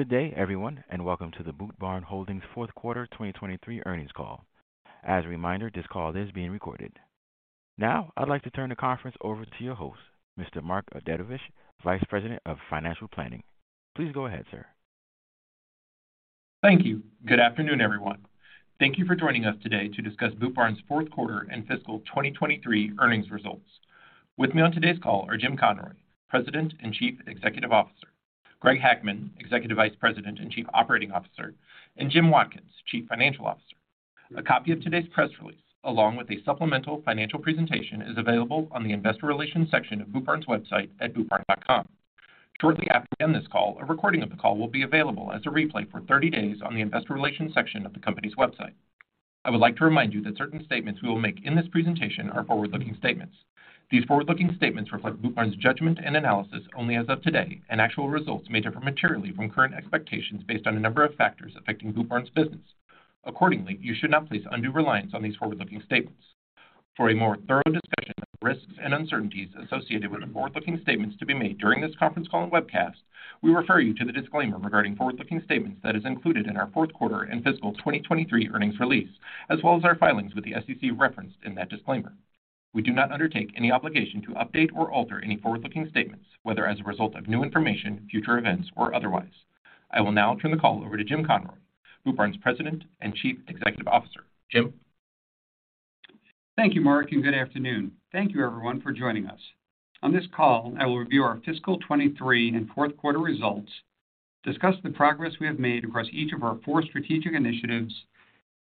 Good day, everyone. Welcome to the Boot Barn Holdings fourth quarter 2023 earnings call. As a reminder, this call is being recorded. Now, I'd like to turn the conference over to your host, Mr. Mark Dedovesh, Vice President of Financial Planning. Please go ahead, sir. Thank you. Good afternoon, everyone. Thank you for joining us today to discuss Boot Barn's fourth quarter and fiscal 2023 earnings results. With me on today's call are Jim Conroy, President and Chief Executive Officer, Greg Hackman, Executive Vice President and Chief Operating Officer, and Jim Watkins, Chief Financial Officer. A copy of today's press release, along with a supplemental financial presentation, is available on the investor relations section of Boot Barn's website at bootbarn.com. Shortly after we end this call, a recording of the call will be available as a replay for 30 days on the investor relations section of the company's website. I would like to remind you that certain statements we will make in this presentation are forward-looking statements. These forward-looking statements reflect Boot Barn's judgment and analysis only as of today. Actual results may differ materially from current expectations based on a number of factors affecting Boot Barn's business. Accordingly, you should not place undue reliance on these forward-looking statements. For a more thorough discussion of the risks and uncertainties associated with the forward-looking statements to be made during this conference call and webcast, we refer you to the disclaimer regarding forward-looking statements that is included in our fourth quarter and fiscal 2023 earnings release, as well as our filings with the SEC referenced in that disclaimer. We do not undertake any obligation to update or alter any forward-looking statements, whether as a result of new information, future events, or otherwise. I will now turn the call over to Jim Conroy, Boot Barn's President and Chief Executive Officer. Jim. Thank you, Mark, and good afternoon. Thank you, everyone, for joining us. On this call, I will review our fiscal 2023 and fourth quarter results, discuss the progress we have made across each of our four strategic initiatives,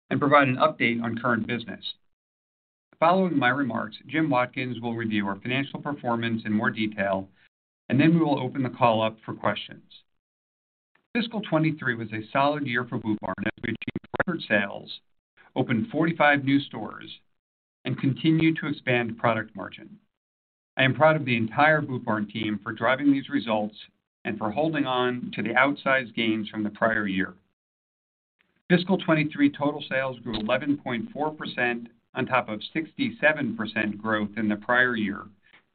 and provide an update on current business. Following my remarks, Jim Watkins will review our financial performance in more detail. We will open the call up for questions. Fiscal 23 was a solid year for Boot Barn as we achieved record sales, opened 45 new stores, and continued to expand product margin. I am proud of the entire Boot Barn team for driving these results and for holding on to the outsized gains from the prior year. Fiscal 23 total sales grew 11.4% on top of 67% growth in the prior year,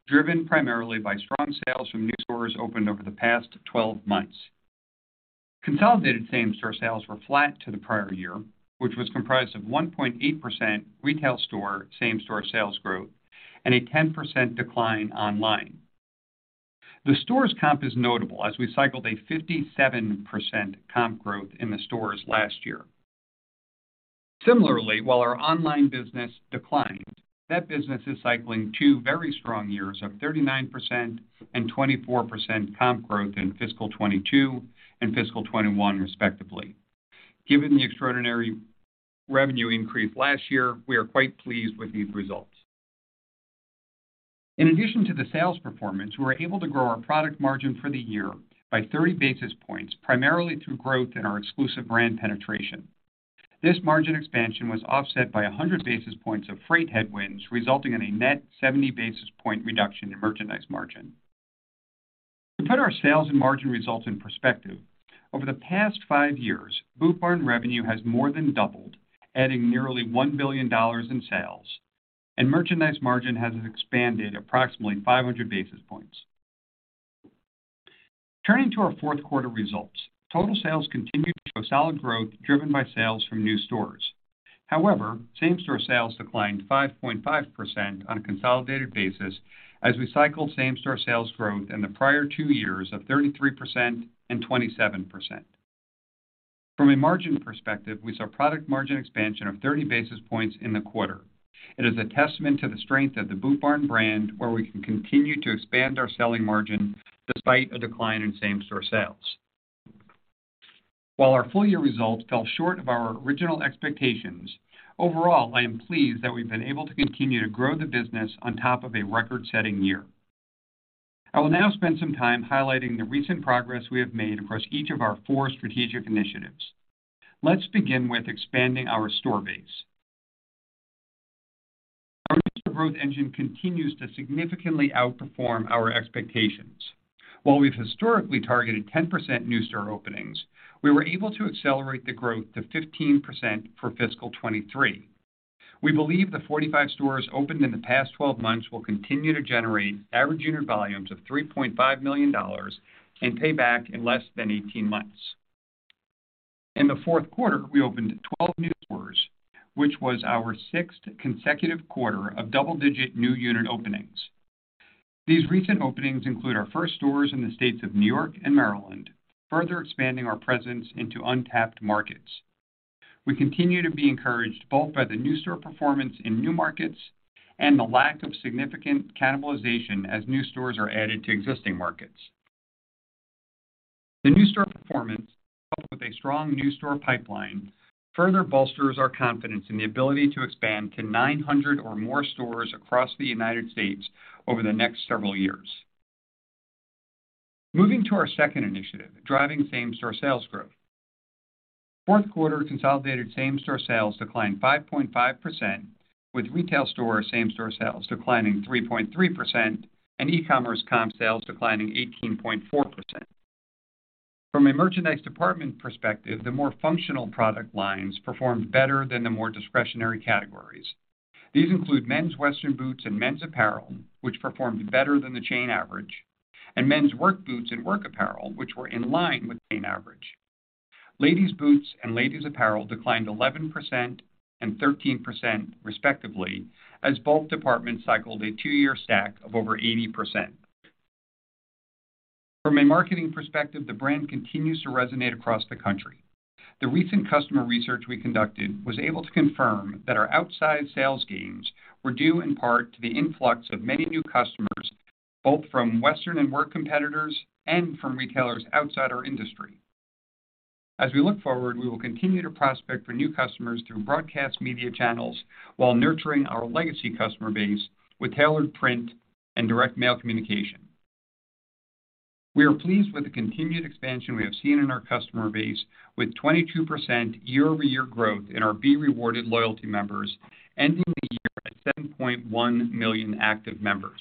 driven primarily by strong sales from new stores opened over the past 12 months. Consolidated same-store sales were flat to the prior year, which was comprised of 1.8% retail store same-store sales growth and a 10% decline online. The stores comp is notable as we cycled a 57% comp growth in the stores last year. Similarly, while our online business declined, that business is cycling two very strong years of 39% and 24% comp growth in fiscal 2022 and fiscal 2021 respectively. Given the extraordinary revenue increase last year, we are quite pleased with these results. In addition to the sales performance, we were able to grow our product margin for the year by 30 basis points, primarily through growth in our exclusive brand penetration. This margin expansion was offset by 100 basis points of freight headwinds, resulting in a net 70 basis point reduction in merchandise margin. To put our sales and margin results in perspective, over the past five years, Boot Barn revenue has more than doubled, adding nearly $1 billion in sales, and merchandise margin has expanded approximately 500 basis points. Turning to our fourth quarter results, total sales continued to show solid growth driven by sales from new stores. However, same-store sales declined 5.5% on a consolidated basis as we cycled same-store sales growth in the prior two years of 33% and 27%. From a margin perspective, we saw product margin expansion of 30 basis points in the quarter. It is a testament to the strength of the Boot Barn brand where we can continue to expand our selling margin despite a decline in same-store sales. While our full-year results fell short of our original expectations, overall, I am pleased that we've been able to continue to grow the business on top of a record-setting year. I will now spend some time highlighting the recent progress we have made across each of our four strategic initiatives. Let's begin with expanding our store base. Our major growth engine continues to significantly outperform our expectations. While we've historically targeted 10% new store openings, we were able to accelerate the growth to 15% for fiscal 2023. We believe the 45 stores opened in the past 12 months will continue to generate average unit volumes of $3.5 million and pay back in less than 18 months. In the fourth quarter, we opened 12 new stores, which was our sixth consecutive quarter of double-digit new unit openings. These recent openings include our first stores in the states of New York and Maryland, further expanding our presence into untapped markets. We continue to be encouraged both by the new store performance in new markets and the lack of significant cannibalization as new stores are added to existing markets. The new store performance, coupled with a strong new store pipeline, further bolsters our confidence in the ability to expand to 900 or more stores across the United States over the next several years. Moving to our second initiative, driving same-store sales growth. Fourth quarter consolidated same-store sales declined 5.5%, with retail store same-store sales declining 3.3% and e-commerce comp sales declining 18.4%. From a merchandise department perspective, the more functional product lines performed better than the more discretionary categories. These include men's Western boots and men's apparel, which performed better than the chain average, and men's Work boots and Work apparel, which were in line with chain average. Ladies boots and ladies apparel declined 11% and 13% respectively as both departments cycled a two-year stack of over 80%. From a marketing perspective, the brand continues to resonate across the country. The recent customer research we conducted was able to confirm that our outside sales gains were due in part to the influx of many new customers, both from Western and Work competitors and from retailers outside our industry. As we look forward, we will continue to prospect for new customers through broadcast media channels while nurturing our legacy customer base with tailored print and direct mail communication. We are pleased with the continued expansion we have seen in our customer base with 22% year-over-year growth in our B Rewarded loyalty members, ending the year at 7.1 million active members.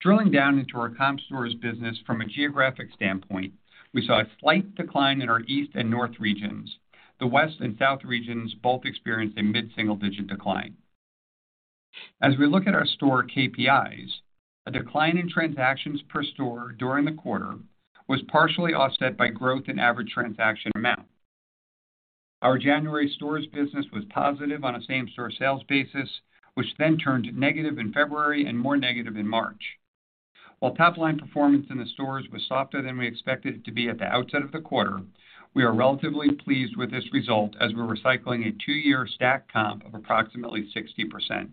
Drilling down into our comp stores business from a geographic standpoint, we saw a slight decline in our east and north regions. The west and south regions both experienced a mid-single-digit decline. As we look at our store KPIs, a decline in transactions per store during the quarter was partially offset by growth in average transaction amount. Our January stores business was positive on a same-store sales basis, which then turned negative in February and more negative in March. While top-line performance in the stores was softer than we expected it to be at the outset of the quarter, we are relatively pleased with this result as we're recycling a two-year stack comp of approximately 60%.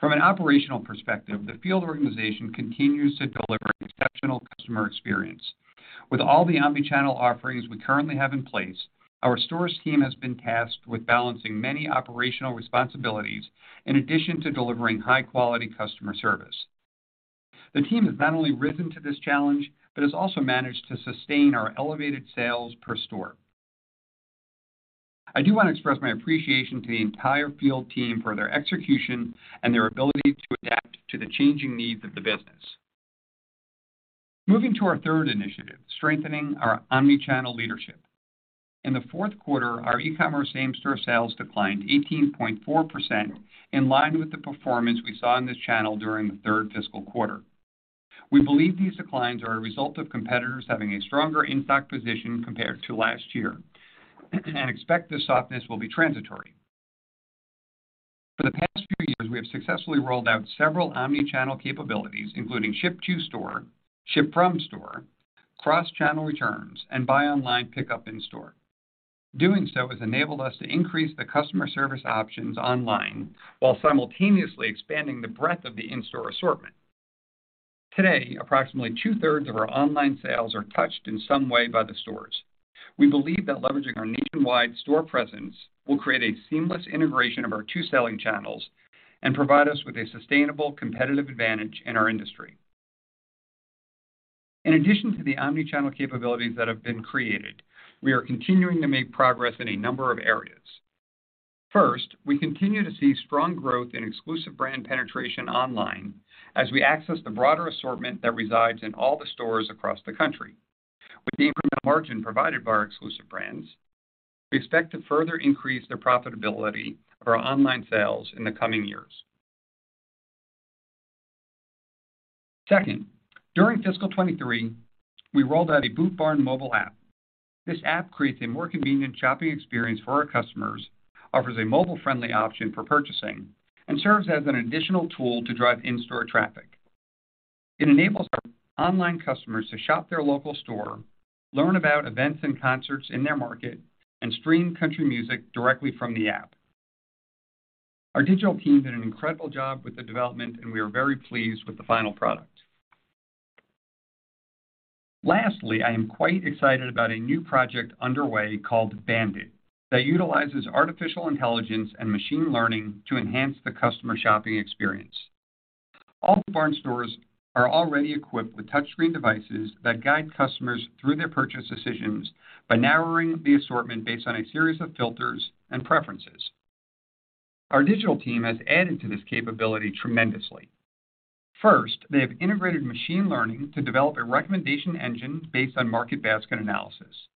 From an operational perspective, the field organization continues to deliver an exceptional customer experience. With all the omnichannel offerings we currently have in place, our stores team has been tasked with balancing many operational responsibilities in addition to delivering high-quality customer service. The team has not only risen to this challenge, but has also managed to sustain our elevated sales per store. I do want to express my appreciation to the entire field team for their execution and their ability to adapt to the changing needs of the business. Moving to our third initiative, strengthening our omnichannel leadership. In the fourth quarter, our e-commerce same-store sales declined 18.4% in line with the performance we saw in this channel during the third fiscal quarter. We believe these declines are a result of competitors having a stronger in-stock position compared to last year and expect the softness will be transitory. For the past few years, we have successfully rolled out several omnichannel capabilities, including ship to store, ship from store, cross-channel returns, and buy online, pickup in store. Doing so has enabled us to increase the customer service options online while simultaneously expanding the breadth of the in-store assortment. Today, approximately two-thirds of our online sales are touched in some way by the stores. We believe that leveraging our nationwide store presence will create a seamless integration of our two selling channels and provide us with a sustainable competitive advantage in our industry. In addition to the omnichannel capabilities that have been created, we are continuing to make progress in a number of areas. First, we continue to see strong growth in exclusive brand penetration online as we access the broader assortment that resides in all the stores across the country. With the improved margin provided by our exclusive brands, we expect to further increase the profitability of our online sales in the coming years. Second, during fiscal 23, we rolled out a Boot Barn mobile app. This app creates a more convenient shopping experience for our customers, offers a mobile-friendly option for purchasing, and serves as an additional tool to drive in-store traffic. It enables our online customers to shop their local store, learn about events and concerts in their market, and stream country music directly from the app. Our digital team did an incredible job with the development, and we are very pleased with the final product. Lastly, I am quite excited about a new project underway called Bandit that utilizes artificial intelligence and machine learning to enhance the customer shopping experience. All the Barn stores are already equipped with touchscreen devices that guide customers through their purchase decisions by narrowing the assortment based on a series of filters and preferences. Our digital team has added to this capability tremendously. First, they have integrated machine learning to develop a recommendation engine based on market basket analysis.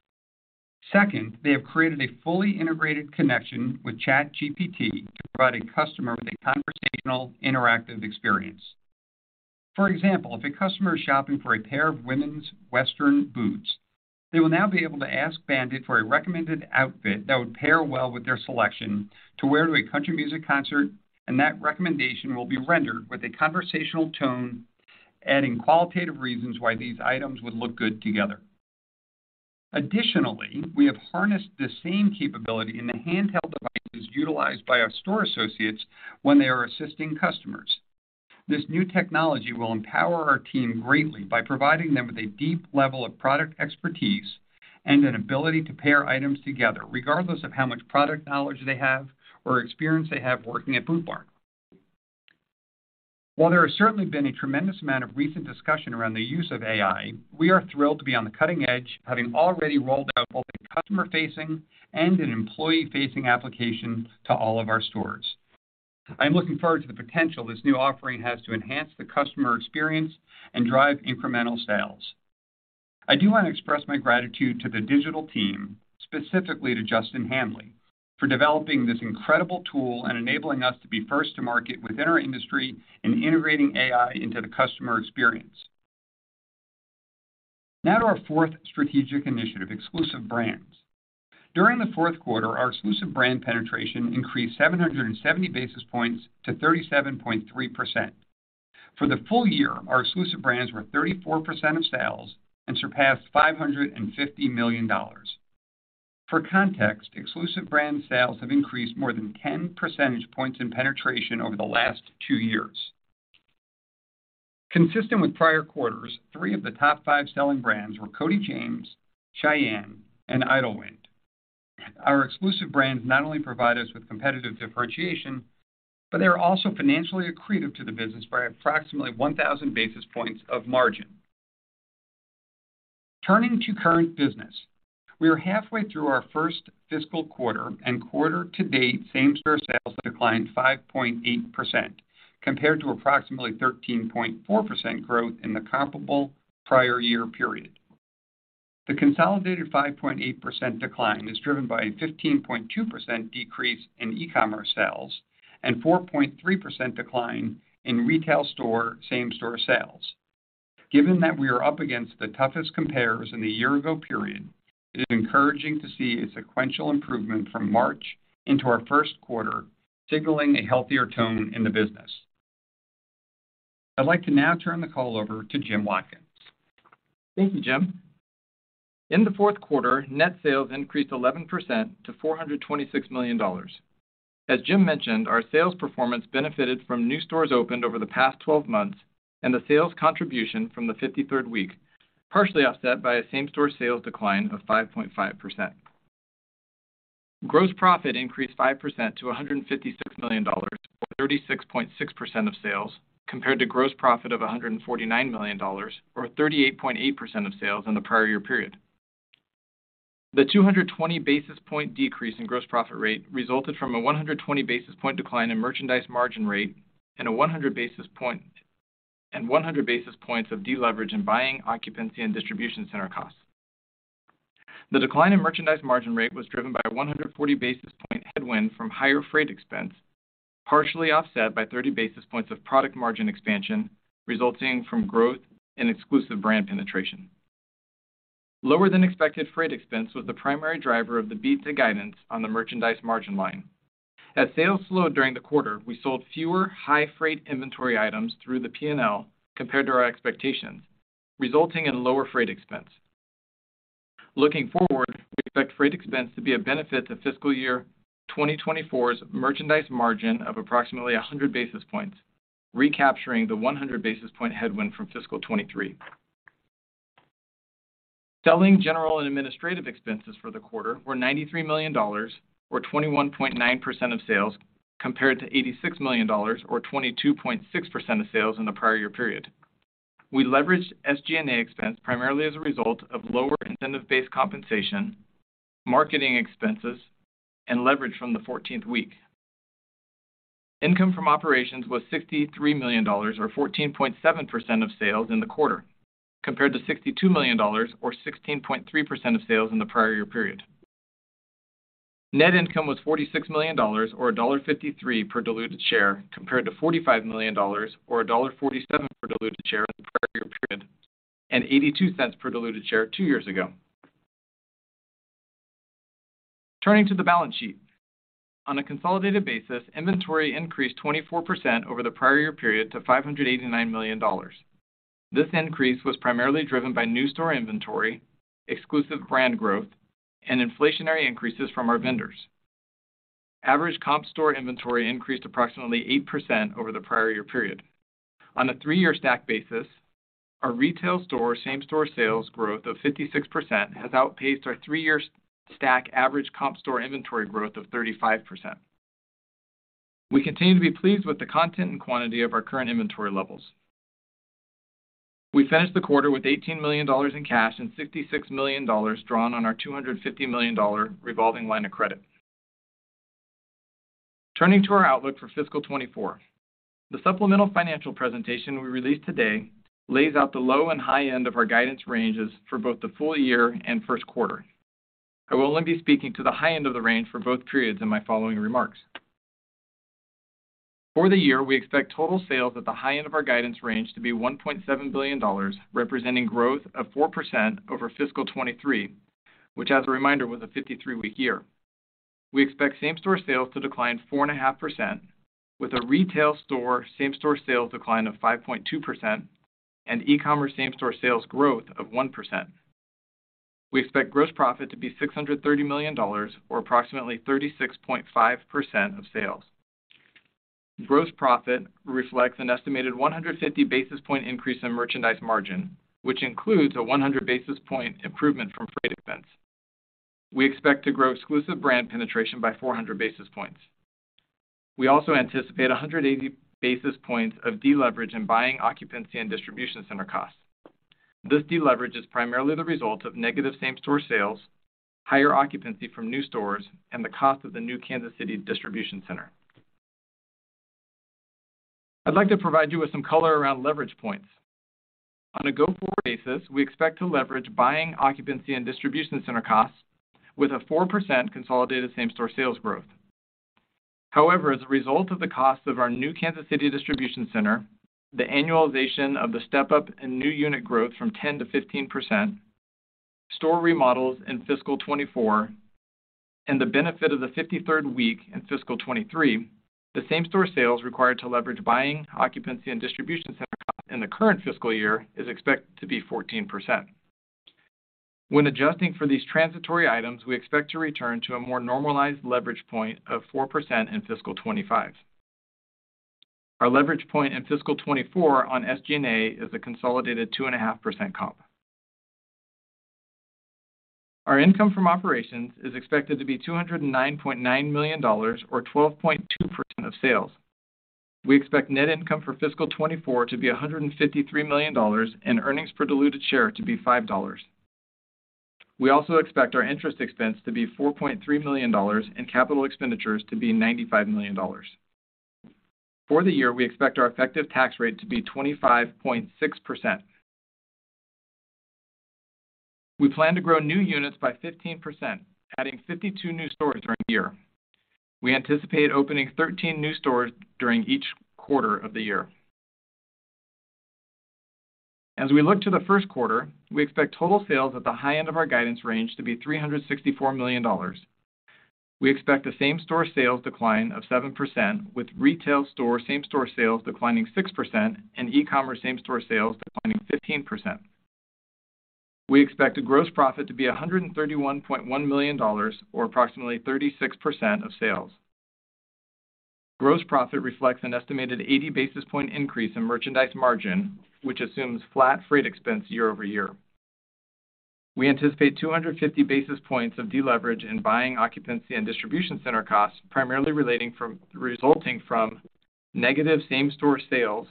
Second, they have created a fully integrated connection with ChatGPT to provide a customer with a conversational interactive experience. For example, if a customer is shopping for a pair of women's Western boots, they will now be able to ask Bandit for a recommended outfit that would pair well with their selection to wear to a country music concert. That recommendation will be rendered with a conversational tone, adding qualitative reasons why these items would look good together. Additionally, we have harnessed the same capability in the handheld devices utilized by our store associates when they are assisting customers. This new technology will empower our team greatly by providing them with a deep level of product expertise and an ability to pair items together, regardless of how much product knowledge they have or experience they have working at Boot Barn. While there has certainly been a tremendous amount of recent discussion around the use of AI, we are thrilled to be on the cutting edge, having already rolled out both a customer-facing and an employee-facing application to all of our stores. I am looking forward to the potential this new offering has to enhance the customer experience and drive incremental sales. I do want to express my gratitude to the digital team, specifically to Justin Hanley, for developing this incredible tool and enabling us to be first to market within our industry in integrating AI into the customer experience. Now to our fourth strategic initiative, exclusive brands. During the fourth quarter, our exclusive brand penetration increased 770 basis points to 37.3%. For the full year, our exclusive brands were 34% of sales and surpassed $550 million. For context, exclusive brand sales have increased more than 10 percentage points in penetration over the last two years. Consistent with prior quarters, three of the top five selling brands were Cody James, Shyanne and Idyllwind. Our exclusive brands not only provide us with competitive differentiation, but they are also financially accretive to the business by approximately 1,000 basis points of margin. Turning to current business. We are halfway through our first fiscal quarter, and quarter to date, same store sales declined 5.8% compared to approximately 13.4% growth in the comparable prior year period. The consolidated 5.8% decline is driven by a 15.2% decrease in e-commerce sales and 4.3% decline in retail store same-store sales. Given that we are up against the toughest compares in the year ago period, it is encouraging to see a sequential improvement from March into our first quarter, signaling a healthier tone in the business. I'd like to now turn the call over to Jim Watkins. Thank you, Jim. In the fourth quarter, net sales increased 11% to $426 million. As Jim mentioned, our sales performance benefited from new stores opened over the past 12 months and the sales contribution from the 53rd week, partially offset by a same-store sales decline of 5.5%. Gross profit increased 5% to $156 million, or 36.6% of sales, compared to gross profit of $149 million or 38.8% of sales in the prior year period. The 220 basis point decrease in gross profit rate resulted from a 120 basis point decline in merchandise margin rate and 100 basis points of deleverage in buying occupancy and distribution center costs. The decline in merchandise margin rate was driven by a 140 basis point headwind from higher freight expense, partially offset by 30 basis points of product margin expansion resulting from growth in exclusive brand penetration. Lower than expected freight expense was the primary driver of the beat to guidance on the merchandise margin line. As sales slowed during the quarter, we sold fewer high freight inventory items through the P&L compared to our expectations, resulting in lower freight expense. Looking forward, we expect freight expense to be a benefit to fiscal year 2024's merchandise margin of approximately 100 basis points, recapturing the 100 basis point headwind from fiscal 2023. Selling general and administrative expenses for the quarter were $93 million or 21.9% of sales, compared to $86 million or 22.6% of sales in the prior year period. We leveraged SG&A expense primarily as a result of lower incentive-based compensation, marketing expenses, and leverage from the 14th week. Income from operations was $63 million or 14.7% of sales in the quarter, compared to $62 million or 16.3% of sales in the prior year period. Net income was $46 million or $1.53 per diluted share, compared to $45 million or $1.47 per diluted share in the prior year period, and $0.82 per diluted share two years ago. Turning to the balance sheet. On a consolidated basis, inventory increased 24% over the prior year period to $589 million. This increase was primarily driven by new store inventory, exclusive brand growth, and inflationary increases from our vendors. Average comp store inventory increased approximately 8% over the prior year period. On a three-year stack basis, our retail store same-store sales growth of 56% has outpaced our three-year stack average comp store inventory growth of 35%. We continue to be pleased with the content and quantity of our current inventory levels. We finished the quarter with $18 million in cash and $66 million drawn on our $250 million revolving line of credit. Turning to our outlook for fiscal 2024. The supplemental financial presentation we released today lays out the low and high end of our guidance ranges for both the full year and first quarter. I will only be speaking to the high end of the range for both periods in my following remarks. For the year, we expect total sales at the high end of our guidance range to be $1.7 billion, representing growth of 4% over fiscal 2023, which as a reminder, was a 53-week year. We expect same-store sales to decline 4.5% with a retail store same-store sales decline of 5.2% and e-commerce same-store sales growth of 1%. We expect gross profit to be $630 million or approximately 36.5% of sales. Gross profit reflects an estimated 150 basis point increase in merchandise margin, which includes a 100 basis point improvement from freight expense. We expect to grow exclusive brand penetration by 400 basis points. We also anticipate 180 basis points of deleverage in buying occupancy and distribution center costs. This deleverage is primarily the result of negative same-store sales, higher occupancy from new stores, and the cost of the new Kansas City distribution center. I'd like to provide you with some color around leverage points. On a go-forward basis, we expect to leverage buying occupancy and distribution center costs with a 4% consolidated same-store sales growth. As a result of the cost of our new Kansas City distribution center, the annualization of the step-up in new unit growth from 10%-15%, store remodels in fiscal 2024, and the benefit of the 53rd week in fiscal 2023, the same-store sales required to leverage buying occupancy and distribution center costs in the current fiscal year is expected to be 14%. When adjusting for these transitory items, we expect to return to a more normalized leverage point of 4% in fiscal 2025. Our leverage point in fiscal 2024 on SG&A is a consolidated 2.5% comp. Our income from operations is expected to be $209.9 million or 12.2% of sales. We expect net income for fiscal 2024 to be $153 million and earnings per diluted share to be $5. We also expect our interest expense to be $4.3 million and capital expenditures to be $95 million. For the year, we expect our effective tax rate to be 25.6%. We plan to grow new units by 15%, adding 52 new stores during the year. We anticipate opening 13 new stores during each quarter of the year. As we look to the first quarter, we expect total sales at the high end of our guidance range to be $364 million. We expect the same-store sales decline of 7% with retail store same-store sales declining 6% and e-commerce same-store sales declining 15%. We expect the gross profit to be $131.1 million or approximately 36% of sales. Gross profit reflects an estimated 80 basis point increase in merchandise margin, which assumes flat freight expense year-over-year. We anticipate 250 basis points of deleverage in buying occupancy and distribution center costs, primarily resulting from negative same-store sales,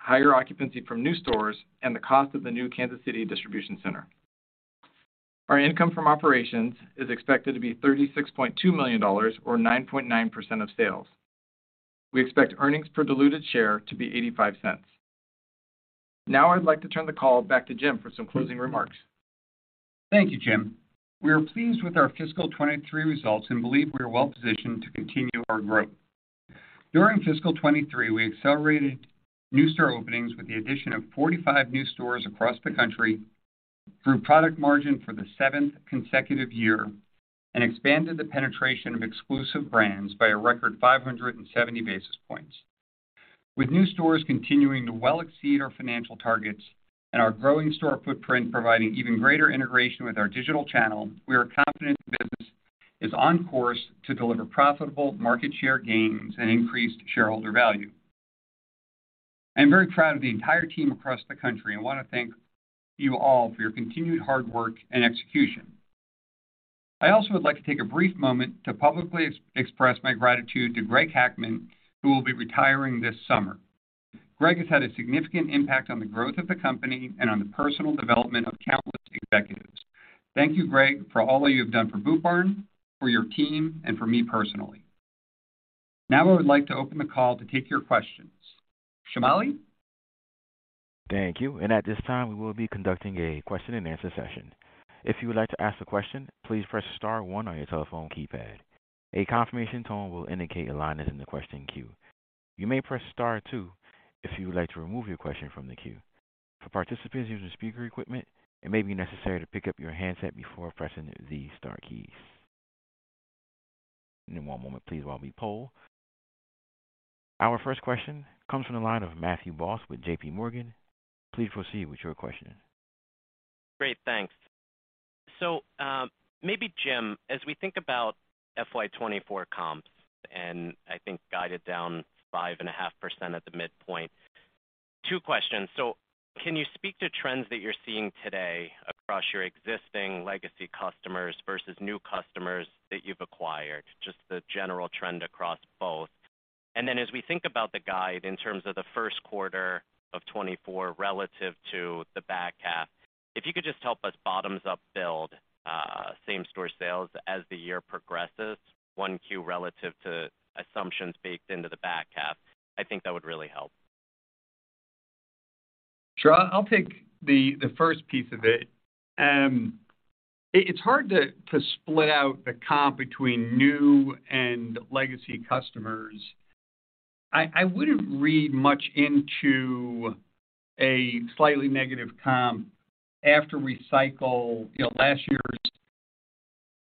higher occupancy from new stores, and the cost of the new Kansas City distribution center. Our income from operations is expected to be $36.2 million or 9.9% of sales. We expect earnings per diluted share to be $0.85. I'd like to turn the call back to Jim for some closing remarks. Thank you, Jim Conroy. We are pleased with our fiscal 2023 results and believe we are well-positioned to continue our growth. During fiscal 2023, we accelerated new store openings with the addition of 45 new stores across the country, grew product margin for the seventh consecutive year, and expanded the penetration of exclusive brands by a record 570 basis points. With new stores continuing to well exceed our financial targets and our growing store footprint providing even greater integration with our digital channel, we are confident the business is on course to deliver profitable market share gains and increased shareholder value. I am very proud of the entire team across the country and want to thank you all for your continued hard work and execution. I also would like to take a brief moment to publicly express my gratitude to Greg Hackman, who will be retiring this summer. Greg has had a significant impact on the growth of the company and on the personal development of countless executives. Thank you, Greg, for all that you have done for Boot Barn, for your team, and for me personally. Now I would like to open the call to take your questions. Shamali. Thank you. At this time, we will be conducting a question and answer session. If you would like to ask a question, please press star one on your telephone keypad. A confirmation tone will indicate a line is in the question queue. You may press star two if you would like to remove your question from the queue. For participants using speaker equipment, it may be necessary to pick up your handset before pressing the star keys. Give me one moment, please, while we poll. Our first question comes from the line of Matthew Boss with JP Morgan. Please proceed with your questioning. Great, thanks. Maybe Jim, as we think about FY 2024 comps, and I think guided down 5.5% at the midpoint, two questions. Can you speak to trends that you're seeing today across your existing legacy customers versus new customers that you've acquired? Just the general trend across both. As we think about the guide in terms of the first quarter of 2024 relative to the back half, if you could just help us bottoms up build, same-store sales as the year progresses, 1Q relative to assumptions baked into the back half, I think that would really help. Sure. I'll take the first piece of it. It's hard to split out the comp between new and legacy customers. I wouldn't read much into a slightly negative comp after recycle, you know, last year's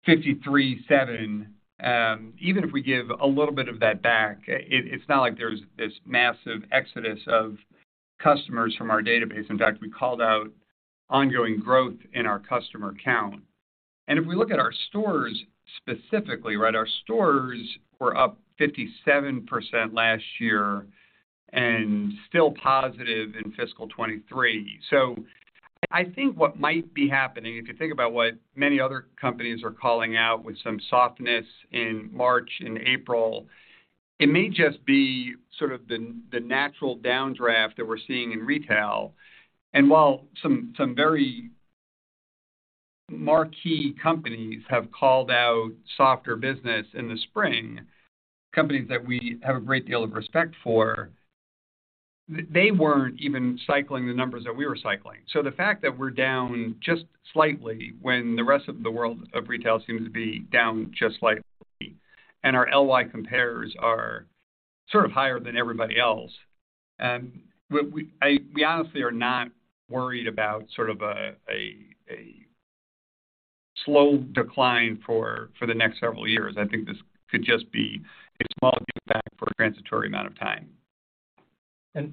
53.7. Even if we give a little bit of that back, it's not like there's this massive exodus of customers from our database. In fact, we called out ongoing growth in our customer count. If we look at our stores specifically, right, our stores were up 57% last year and still positive in fiscal 2023. I think what might be happening, if you think about what many other companies are calling out with some softness in March and April, it may just be sort of the natural downdraft that we're seeing in retail. While some very Marquee companies have called out softer business in the spring, companies that we have a great deal of respect for. They weren't even cycling the numbers that we were cycling. The fact that we're down just slightly when the rest of the world of retail seems to be down just slightly and our LY compares are sort of higher than everybody else, we honestly are not worried about a slow decline for the next several years. I think this could just be a small kickback for a transitory amount of time.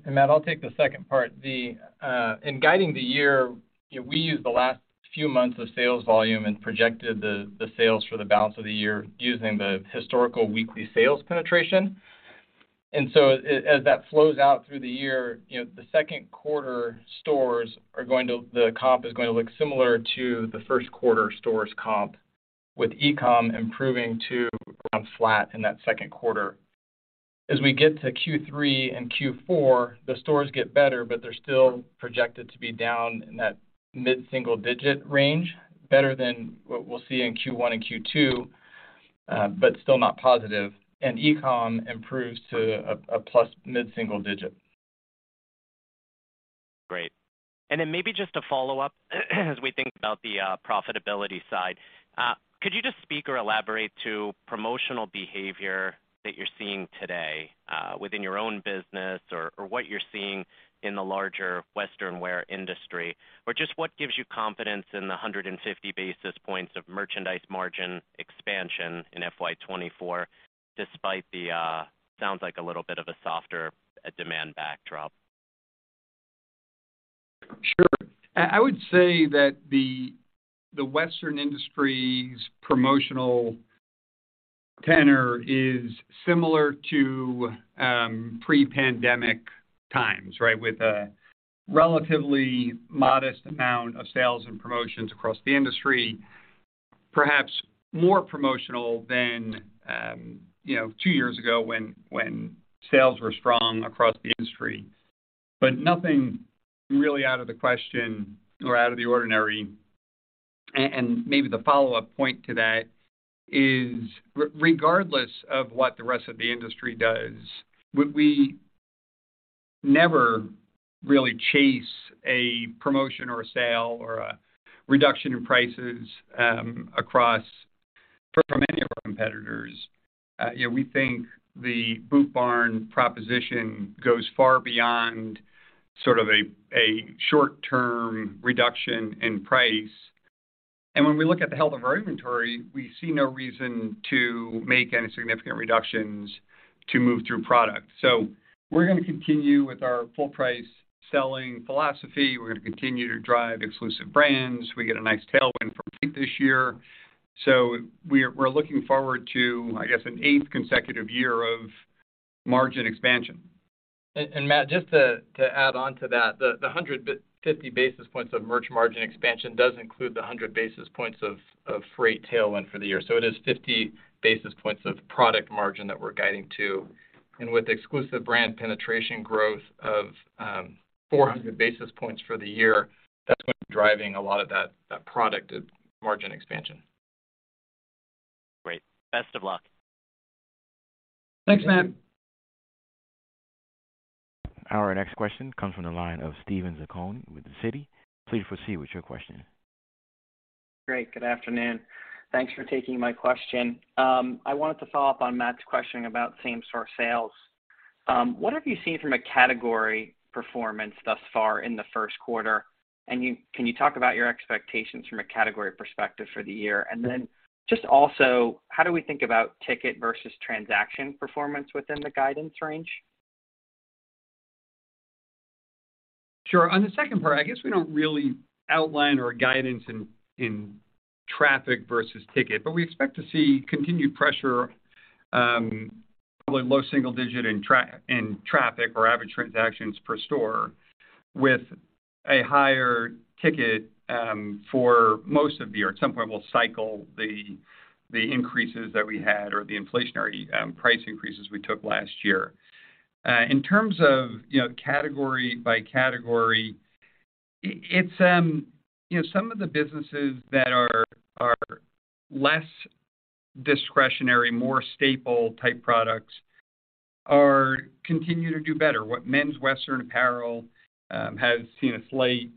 Matt, I'll take the second part. In guiding the year, you know, we used the last few months of sales volume and projected the sales for the balance of the year using the historical weekly sales penetration. As that flows out through the year, you know, the second quarter stores the comp is going to look similar to the first quarter stores comp, with e-com improving to around flat in that second quarter. As we get to Q3 and Q4, the stores get better, but they're still projected to be down in that mid-single digit range, better than what we'll see in Q1 and Q2, but still not positive. E-com improves to a plus mid-single digit. Great. Maybe just a follow-up as we think about the profitability side. Could you just speak or elaborate to promotional behavior that you're seeing today within your own business or what you're seeing in the larger western wear industry? Just what gives you confidence in the 150 basis points of merchandise margin expansion in FY 2024 despite the sounds like a little bit of a softer demand backdrop? Sure. I would say that the western industry's promotional tenor is similar to pre-pandemic times, right? With a relatively modest amount of sales and promotions across the industry. Perhaps more promotional than, you know, two years ago when sales were strong across the industry. Nothing really out of the question or out of the ordinary. Maybe the follow-up point to that is regardless of what the rest of the industry does, we never really chase a promotion or a sale or a reduction in prices for many of our competitors. You know, we think the Boot Barn proposition goes far beyond sort of a short-term reduction in price. When we look at the health of our inventory, we see no reason to make any significant reductions to move through product. We're gonna continue with our full-price selling philosophy. We're gonna continue to drive exclusive brands. We get a nice tailwind from Peak this year. We're looking forward to, I guess, an eighth consecutive year of margin expansion. Matt, just to add on to that. The 50 basis points of merch margin expansion does include the 100 basis points of freight tailwind for the year. It is 50 basis points of product margin that we're guiding to. With exclusive brand penetration growth of 400 basis points for the year, that's what's driving a lot of that product margin expansion. Great. Best of luck. Thanks, Matt. Our next question comes from the line of Steven Zaccone with Citi. Please proceed with your question. Great. Good afternoon. Thanks for taking my question. I wanted to follow up on Matthew Boss's question about same-store sales. What have you seen from a category performance thus far in the first quarter? Can you talk about your expectations from a category perspective for the year? Just also, how do we think about ticket versus transaction performance within the guidance range? Sure. On the second part, I guess we don't really outline or guidance in traffic versus ticket, but we expect to see continued pressure, probably low single-digit in traffic or average transactions per store with a higher ticket for most of the year. At some point, we'll cycle the increases that we had or the inflationary price increases we took last year. In terms of, you know, category by category, it's. You know, some of the businesses that are less discretionary, more staple-type products continue to do better. Men's Western apparel has seen a slight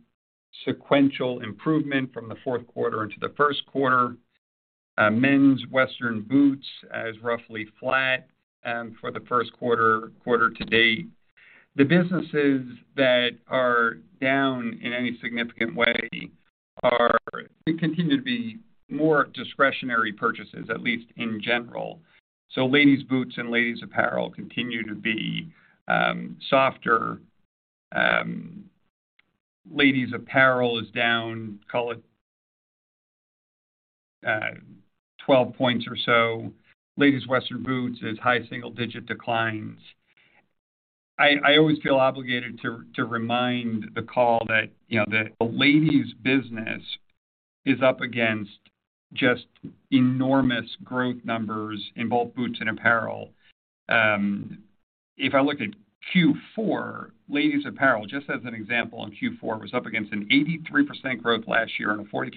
sequential improvement from the fourth quarter into the first quarter. Men's Western boots as roughly flat for the first quarter to date. The businesses that are down in any significant way, they continue to be more discretionary purchases, at least in general. Ladies' boots and ladies' apparel continue to be softer. Ladies' apparel is down, call it, 12 points or so. Ladies' western boots is high single-digit declines. I always feel obligated to remind the call that, you know, the ladies' business is up against just enormous growth numbers in both boots and apparel. If I look at Q4, ladies' apparel, just as an example, in Q4 was up against an 83% growth last year and a 43%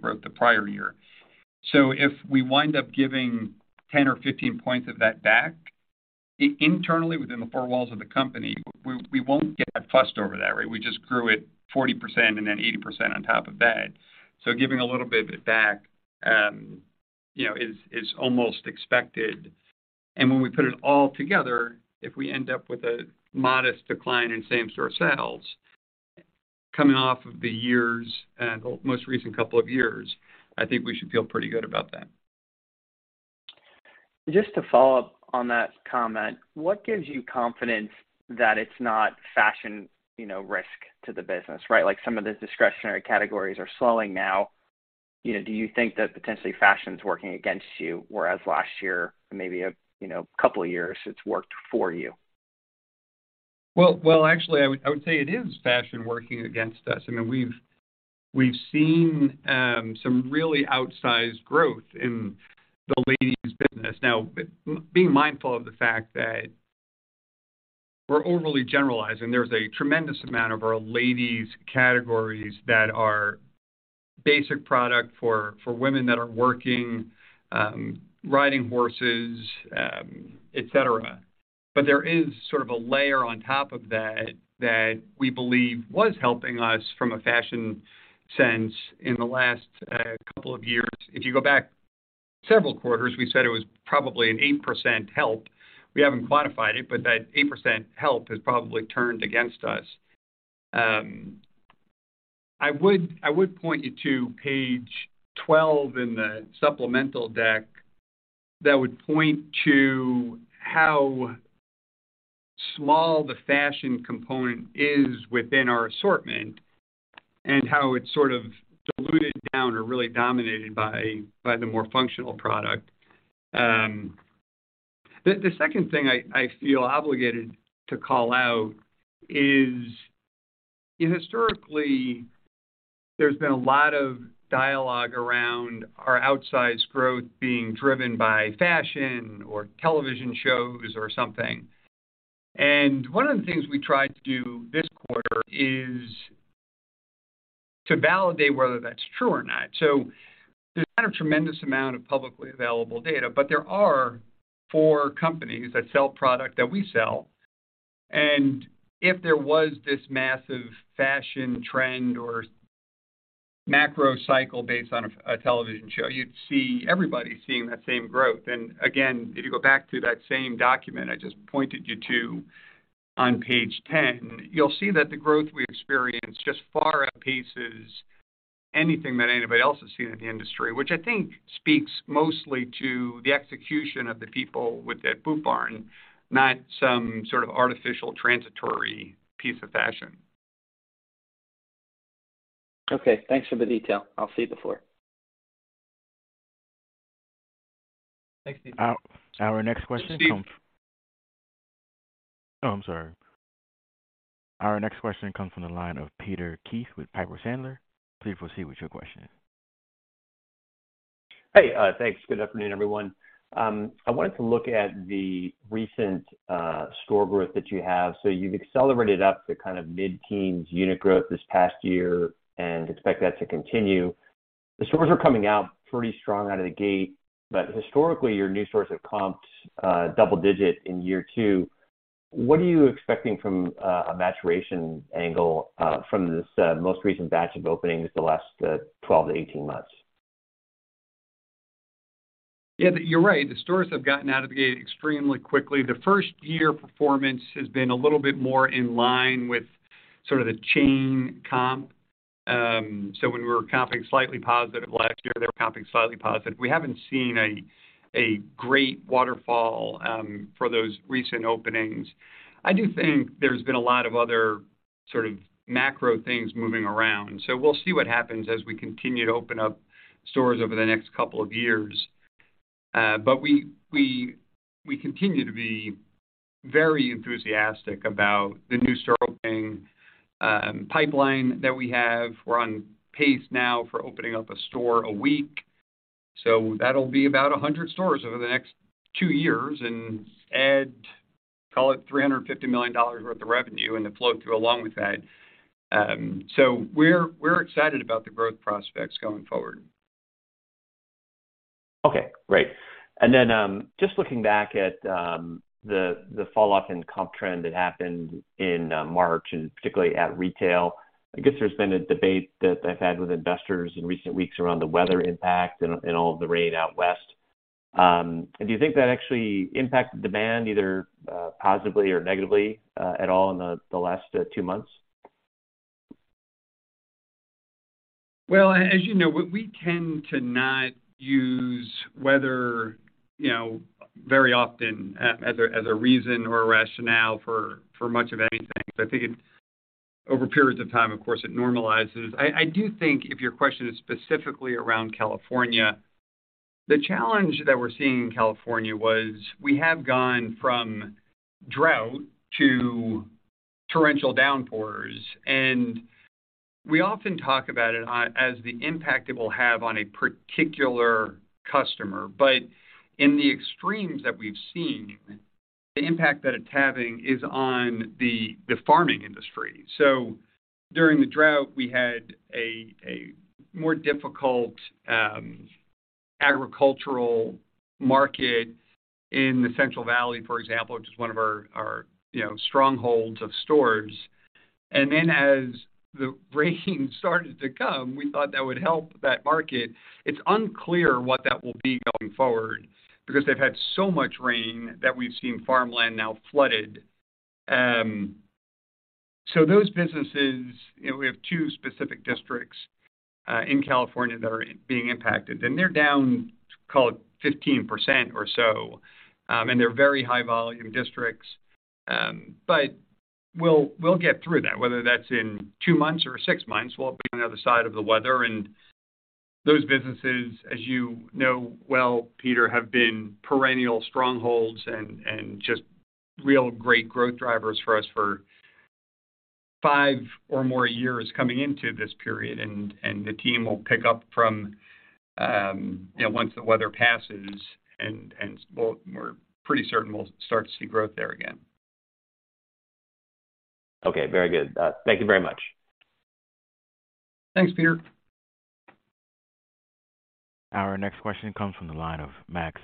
growth the prior year. If we wind up giving 10 or 15 points of that back, internally within the four walls of the company, we won't get fussed over that, right? We just grew it 40% and then 80% on top of that. Giving a little bit back, you know, is almost expected. When we put it all together, if we end up with a modest decline in same-store sales coming off of the years, the most recent couple of years, I think we should feel pretty good about that. Just to follow up on that comment, what gives you confidence that it's not fashion, you know, risk to the business, right? Like, some of the discretionary categories are slowing now. You know, do you think that potentially fashion is working against you, whereas last year, maybe, you know, a couple of years it's worked for you? Well, actually, I would say it is fashion working against us. I mean, we've seen some really outsized growth in the ladies business. Being mindful of the fact that we're overly generalizing, there's a tremendous amount of our ladies categories that are basic product for women that are working, riding horses, et cetera. There is sort of a layer on top of that we believe was helping us from a fashion sense in the last couple of years. If you go back several quarters, we said it was probably an 8% help. We haven't quantified it, but that 8% help has probably turned against us. I would point you to page 12 in the supplemental deck that would point to how small the fashion component is within our assortment and how it's sort of diluted down or really dominated by the more functional product. The second thing I feel obligated to call out is, historically, there's been a lot of dialogue around our outsized growth being driven by fashion or television shows or something. One of the things we tried to do this quarter is to validate whether that's true or not. There's not a tremendous amount of publicly available data, but there are four companies that sell product that we sell. If there was this massive fashion trend or macro cycle based on a television show, you'd see everybody seeing that same growth. Again, if you go back to that same document I just pointed you to on page 10, you'll see that the growth we experienced just far outpaces anything that anybody else has seen in the industry, which I think speaks mostly to the execution of the people with at Boot Barn, not some sort of artificial transitory piece of fashion. Okay, thanks for the detail. I'll cede the floor. Thanks, Steve. Our next question. Steve. Oh, I'm sorry. Our next question comes from the line of Peter Keith with Piper Sandler. Please proceed with your question. Hey, thanks. Good afternoon, everyone. I wanted to look at the recent store growth that you have. You've accelerated up to kind of mid-teens unit growth this past year and expect that to continue. The stores are coming out pretty strong out of the gate, but historically, your new stores have comped double-digit in year two. What are you expecting from a maturation angle from this most recent batch of openings the last 12 to 18 months? Yeah, you're right. The stores have gotten out of the gate extremely quickly. The first-year performance has been a little bit more in line with sort of the chain comp. When we were comping slightly positive last year, they were comping slightly positive. We haven't seen a great waterfall for those recent openings. I do think there's been a lot of other sort of macro things moving around, we'll see what happens as we continue to open up stores over the next couple of years. We continue to be very enthusiastic about the new store opening pipeline that we have. We're on pace now for opening up a store a week. That'll be about 100 stores over the next two years and add, call it $350 million worth of revenue and the flow through along with that. We're, we're excited about the growth prospects going forward. Okay, great. Just looking back at the falloff in comp trend that happened in March and particularly at retail, I guess there's been a debate that I've had with investors in recent weeks around the weather impact and all of the rain out West. Do you think that actually impacted demand either, positively or negatively, at all in the last two months? Well, as you know, we tend to not use weather, you know, very often as a reason or a rationale for much of anything. I think over periods of time, of course, it normalizes. I do think if your question is specifically around California, the challenge that we're seeing in California was we have gone from drought to torrential downpours. We often talk about it as the impact it will have on a particular customer. In the extremes that we've seen, the impact that it's having is on the farming industry. During the drought, we had a more difficult agricultural market in the Central Valley, for example, which is one of our, you know, strongholds of stores. As the rain started to come, we thought that would help that market. It's unclear what that will be going forward because they've had so much rain that we've seen farmland now flooded. Those businesses, you know, we have two specific districts in California that are being impacted, and they're down, call it 15% or so. They're very high volume districts. We'll get through that, whether that's in two months or six months, we'll be on the other side of the weather. Those businesses, as you know well, Peter, have been perennial strongholds and just real great growth drivers for us for five or more years coming into this period. The team will pick up from, you know, once the weather passes and we're pretty certain we'll start to see growth there again. Okay, very good. Thank you very much. Thanks, Peter. Our next question comes from the line of Max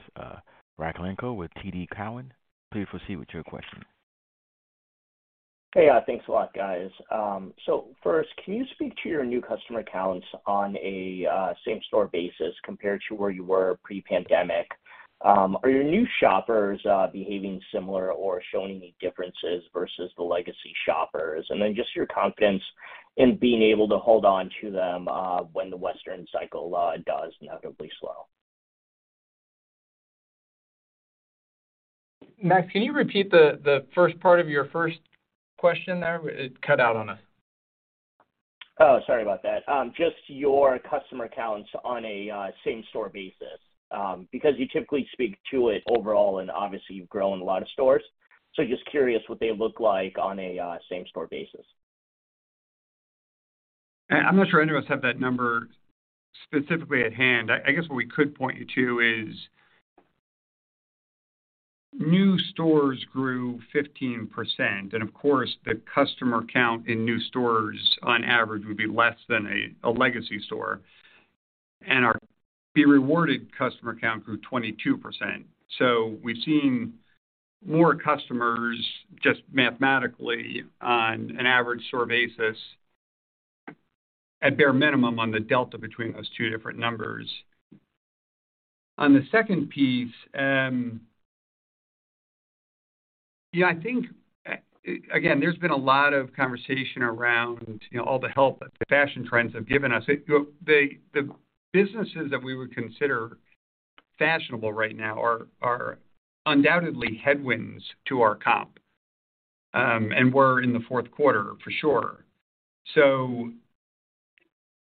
Rakhlenko with TD Cowen. Please proceed with your question. Hey. Thanks a lot, guys. First, can you speak to your new customer counts on a same-store basis compared to where you were pre-pandemic? Are your new shoppers behaving similar or showing any differences versus the legacy shoppers? Then just your confidence in being able to hold on to them when the Western cycle does inevitably slow. Max, can you repeat the first part of your first question there? It cut out on us. Oh, sorry about that. Just your customer counts on a same-store basis. Because you typically speak to it overall, and obviously you've grown a lot of stores. Just curious what they look like on a same-store basis. I'm not sure any of us have that number specifically at hand. I guess what we could point you to is. New stores grew 15%. Of course, the customer count in new stores on average would be less than a legacy store. Our B Rewarded customer count grew 22%. We've seen more customers just mathematically on an average store basis at bare minimum on the delta between those two different numbers. On the second piece. Yeah, I think, again, there's been a lot of conversation around, you know, all the help that the fashion trends have given us. You know, the businesses that we would consider fashionable right now are undoubtedly headwinds to our comp, and were in the fourth quarter for sure.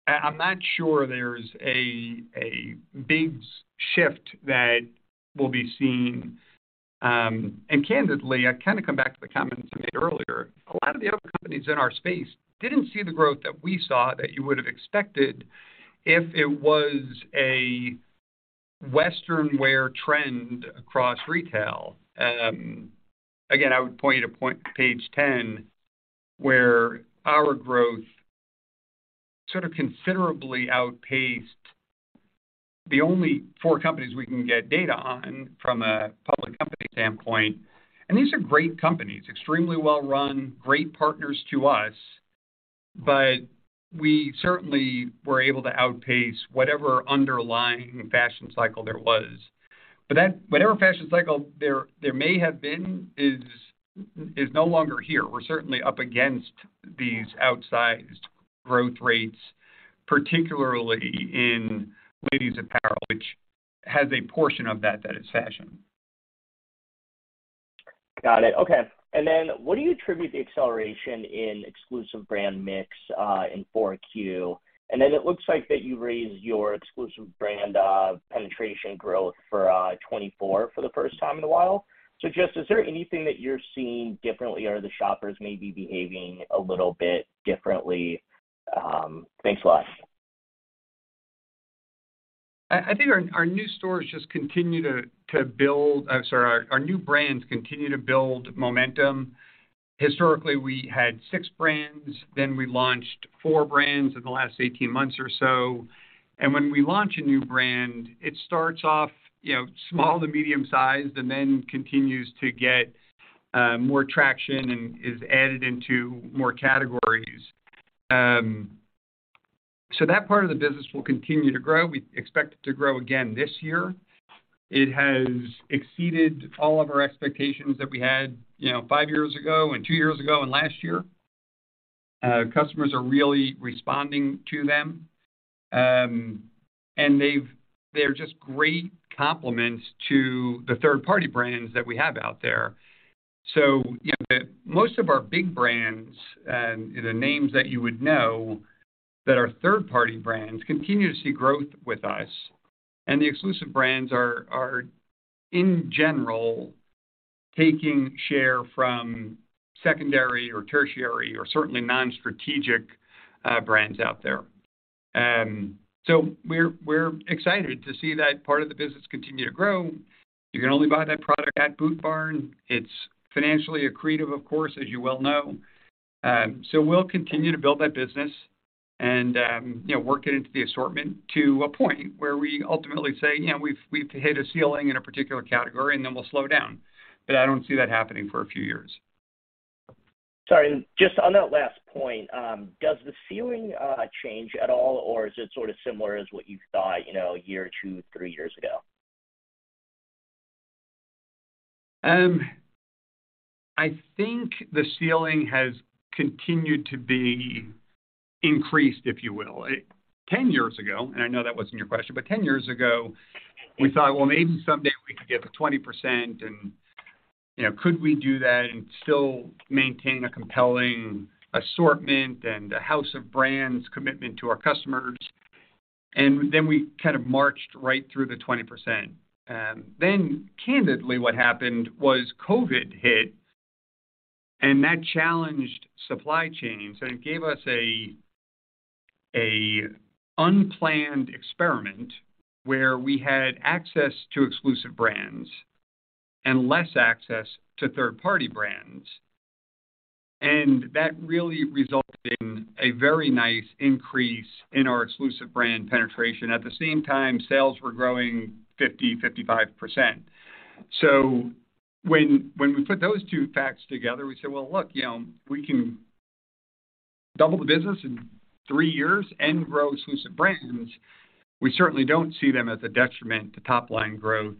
I'm not sure there's a big shift that will be seen. Candidly, I kind of come back to the comments I made earlier. A lot of the other companies in our space didn't see the growth that we saw that you would have expected if it was a Western wear trend across retail. Again, I would point you to page 10, where our growth sort of considerably outpaced the only four companies we can get data on from a public company standpoint. These are great companies, extremely well run, great partners to us, but we certainly were able to outpace whatever underlying fashion cycle there was. Whatever fashion cycle there may have been is no longer here. We're certainly up against these outsized growth rates, particularly in ladies apparel, which has a portion of that that is fashion. Got it. Okay. What do you attribute the acceleration in exclusive brand mix, in 4Q? It looks like that you raised your exclusive brand penetration growth for 2024 for the first time in a while. Is there anything that you're seeing differently? Are the shoppers maybe behaving a little bit differently? Thanks a lot. I think our new stores just continue to build. I'm sorry. Our new brands continue to build momentum. Historically, we had six brands, then we launched four brands in the last 18 months or so. When we launch a new brand, it starts off, you know, small to medium-sized and then continues to get more traction and is added into more categories. That part of the business will continue to grow. We expect it to grow again this year. It has exceeded all of our expectations that we had, you know, five years ago and two years ago and last year. Customers are really responding to them. They're just great complements to the third-party brands that we have out there. You know, most of our big brands and the names that you would know that are third-party brands continue to see growth with us. The exclusive brands are in general, taking share from secondary or tertiary or certainly non-strategic brands out there. We're excited to see that part of the business continue to grow. You can only buy that product at Boot Barn. It's financially accretive, of course, as you well know. We'll continue to build that business and, you know, work it into the assortment to a point where we ultimately say, "You know, we've hit a ceiling in a particular category," we'll slow down. I don't see that happening for a few years. Sorry. Just on that last point, does the ceiling change at all, or is it sort of similar as what you thought, you know, a year or two, three years ago? I think the ceiling has continued to be increased, if you will. 10 years ago, and I know that wasn't your question, but 10 years ago, we thought, "Well, maybe someday we could get to 20%, and, you know, could we do that and still maintain a compelling assortment and a house of brands commitment to our customers?" Then we kind of marched right through the 20%. Then candidly, what happened was COVID hit, and that challenged supply chains and gave us a unplanned experiment where we had access to exclusive brands and less access to third-party brands. That really resulted in a very nice increase in our exclusive brand penetration. At the same time, sales were growing 50%-55%. When we put those two facts together, we said, "Well, look, you know, we can double the business in three years and grow exclusive brands." We certainly don't see them as a detriment to top-line growth.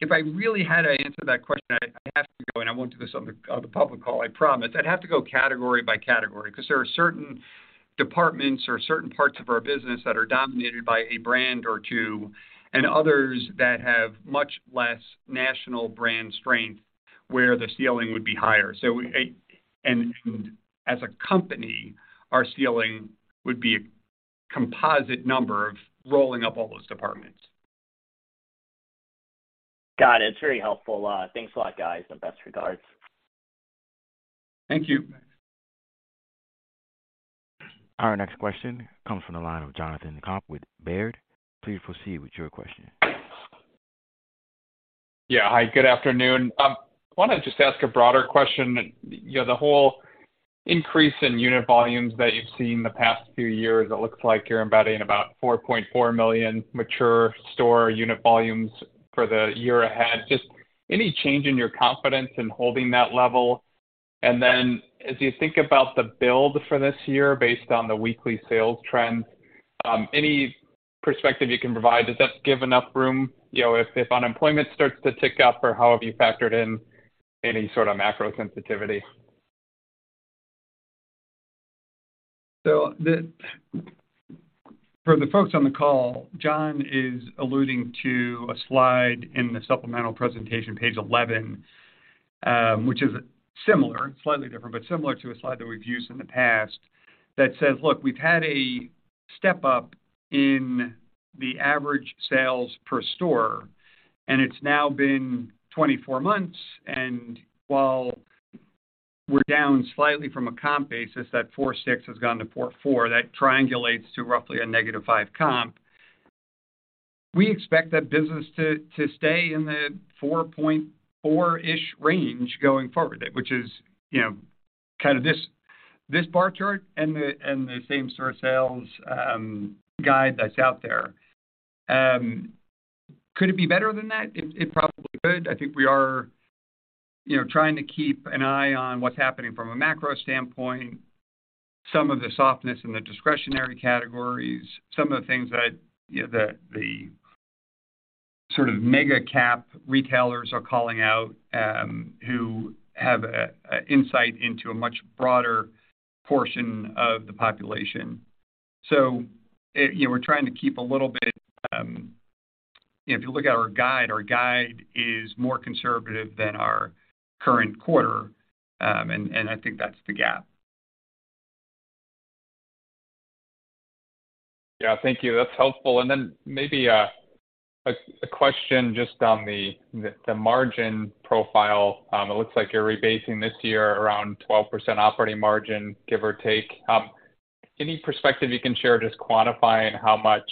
If I really had to answer that question, I'd have to go, and I won't do this on the, on the public call, I promise. I'd have to go category by category because there are certain departments or certain parts of our business that are dominated by a brand or two, and others that have much less national brand strength where the ceiling would be higher. And as a company, our ceiling would be a composite number of rolling up all those departments. Got it. It's very helpful. Thanks a lot, guys. Best regards. Thank you. Our next question comes from the line of Jonathan Komp with Baird. Please proceed with your question. Yeah. Hi, good afternoon. Wanted to just ask a broader question. You know, the whole increase in unit volumes that you've seen the past few years, it looks like you're embedding about 4.4 million mature store unit volumes for the year ahead. Just any change in your confidence in holding that level? As you think about the build for this year based on the weekly sales trends, any perspective you can provide? Does that give enough room, you know, if unemployment starts to tick up or however you factored in any sort of macro sensitivity? For the folks on the call, John is alluding to a slide in the supplemental presentation, page 11, which is similar, slightly different, but similar to a slide that we've used in the past that says, look, we've had a step-up in the average sales per store, and it's now been 24 months. While we're down slightly from a comp basis, that 4.6 has gone to 4.4, that triangulates to roughly a -5% comp. We expect that business to stay in the 4.4-ish range going forward, which is, you know, kind of this bar chart and the same store sales guide that's out there. Could it be better than that? It probably could. I think we are, you know, trying to keep an eye on what's happening from a macro standpoint, some of the softness in the discretionary categories, some of the things that, you know, the sort of mega-cap retailers are calling out, who have insight into a much broader portion of the population. You know, we're trying to keep a little bit. If you look at our guide, our guide is more conservative than our current quarter, and I think that's the gap. Yeah. Thank you. That's helpful. Maybe a question just on the margin profile. It looks like you're rebasing this year around 12% operating margin, give or take. Any perspective you can share just quantifying how much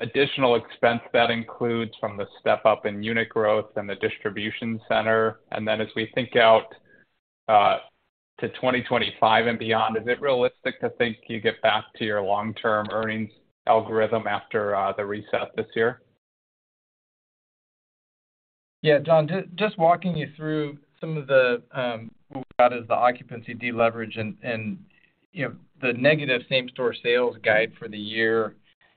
additional expense that includes from the step-up in unit growth and the distribution center? As we think out to 2025 and beyond, is it realistic to think you get back to your long-term earnings algorithm after the reset this year? Yeah, John, just walking you through some of the what we got as the occupancy deleverage and, you know, the negative same-store sales guide for the year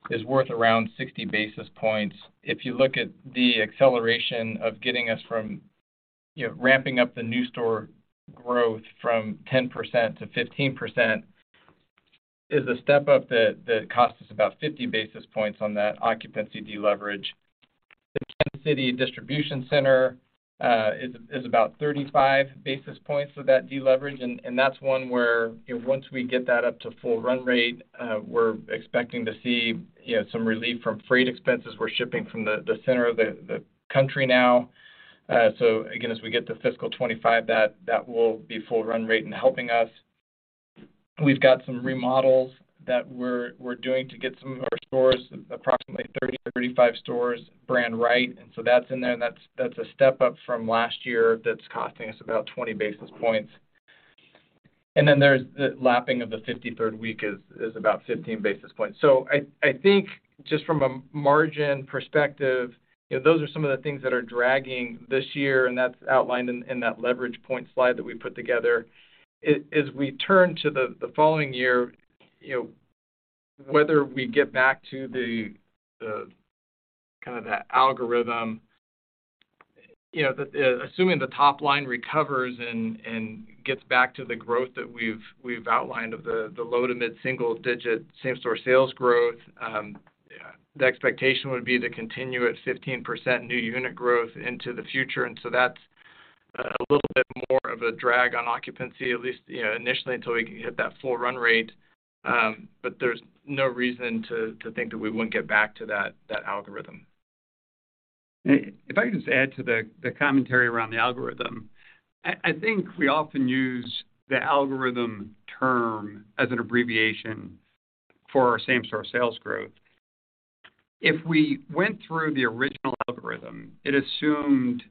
is worth around 60 basis points. If you look at the acceleration of getting us from, you know, ramping up the new store growth from 10%-15% is a step-up that costs us about 50 basis points on that occupancy deleverage. Kansas City distribution center is about 35 basis points of that deleverage, and that's one where, you know, once we get that up to full run rate, we're expecting to see, you know, some relief from freight expenses. We're shipping from the center of the country now. So again, as we get to fiscal 25, that will be full run rate and helping us. We've got some remodels that we're doing to get some of our stores, approximately 30-35 stores brand right, and so that's in there, and that's a step up from last year that's costing us about 20 basis points. Then there's the lapping of the 53rd week is about 15 basis points. I think just from a margin perspective, you know, those are some of the things that are dragging this year, and that's outlined in that leverage point slide that we put together. As we turn to the following year, you know, whether we get back to the kind of that algorithm, you know, assuming the top line recovers and gets back to the growth that we've outlined of the low to mid-single digit same-store sales growth, the expectation would be to continue at 15% new unit growth into the future. That's a little bit more of a drag on occupancy at least, you know, initially until we can hit that full run rate. But there's no reason to think that we wouldn't get back to that algorithm. If I could just add to the commentary around the algorithm. I think we often use the algorithm term as an abbreviation for our same-store sales growth. If we went through the original algorithm, it assumed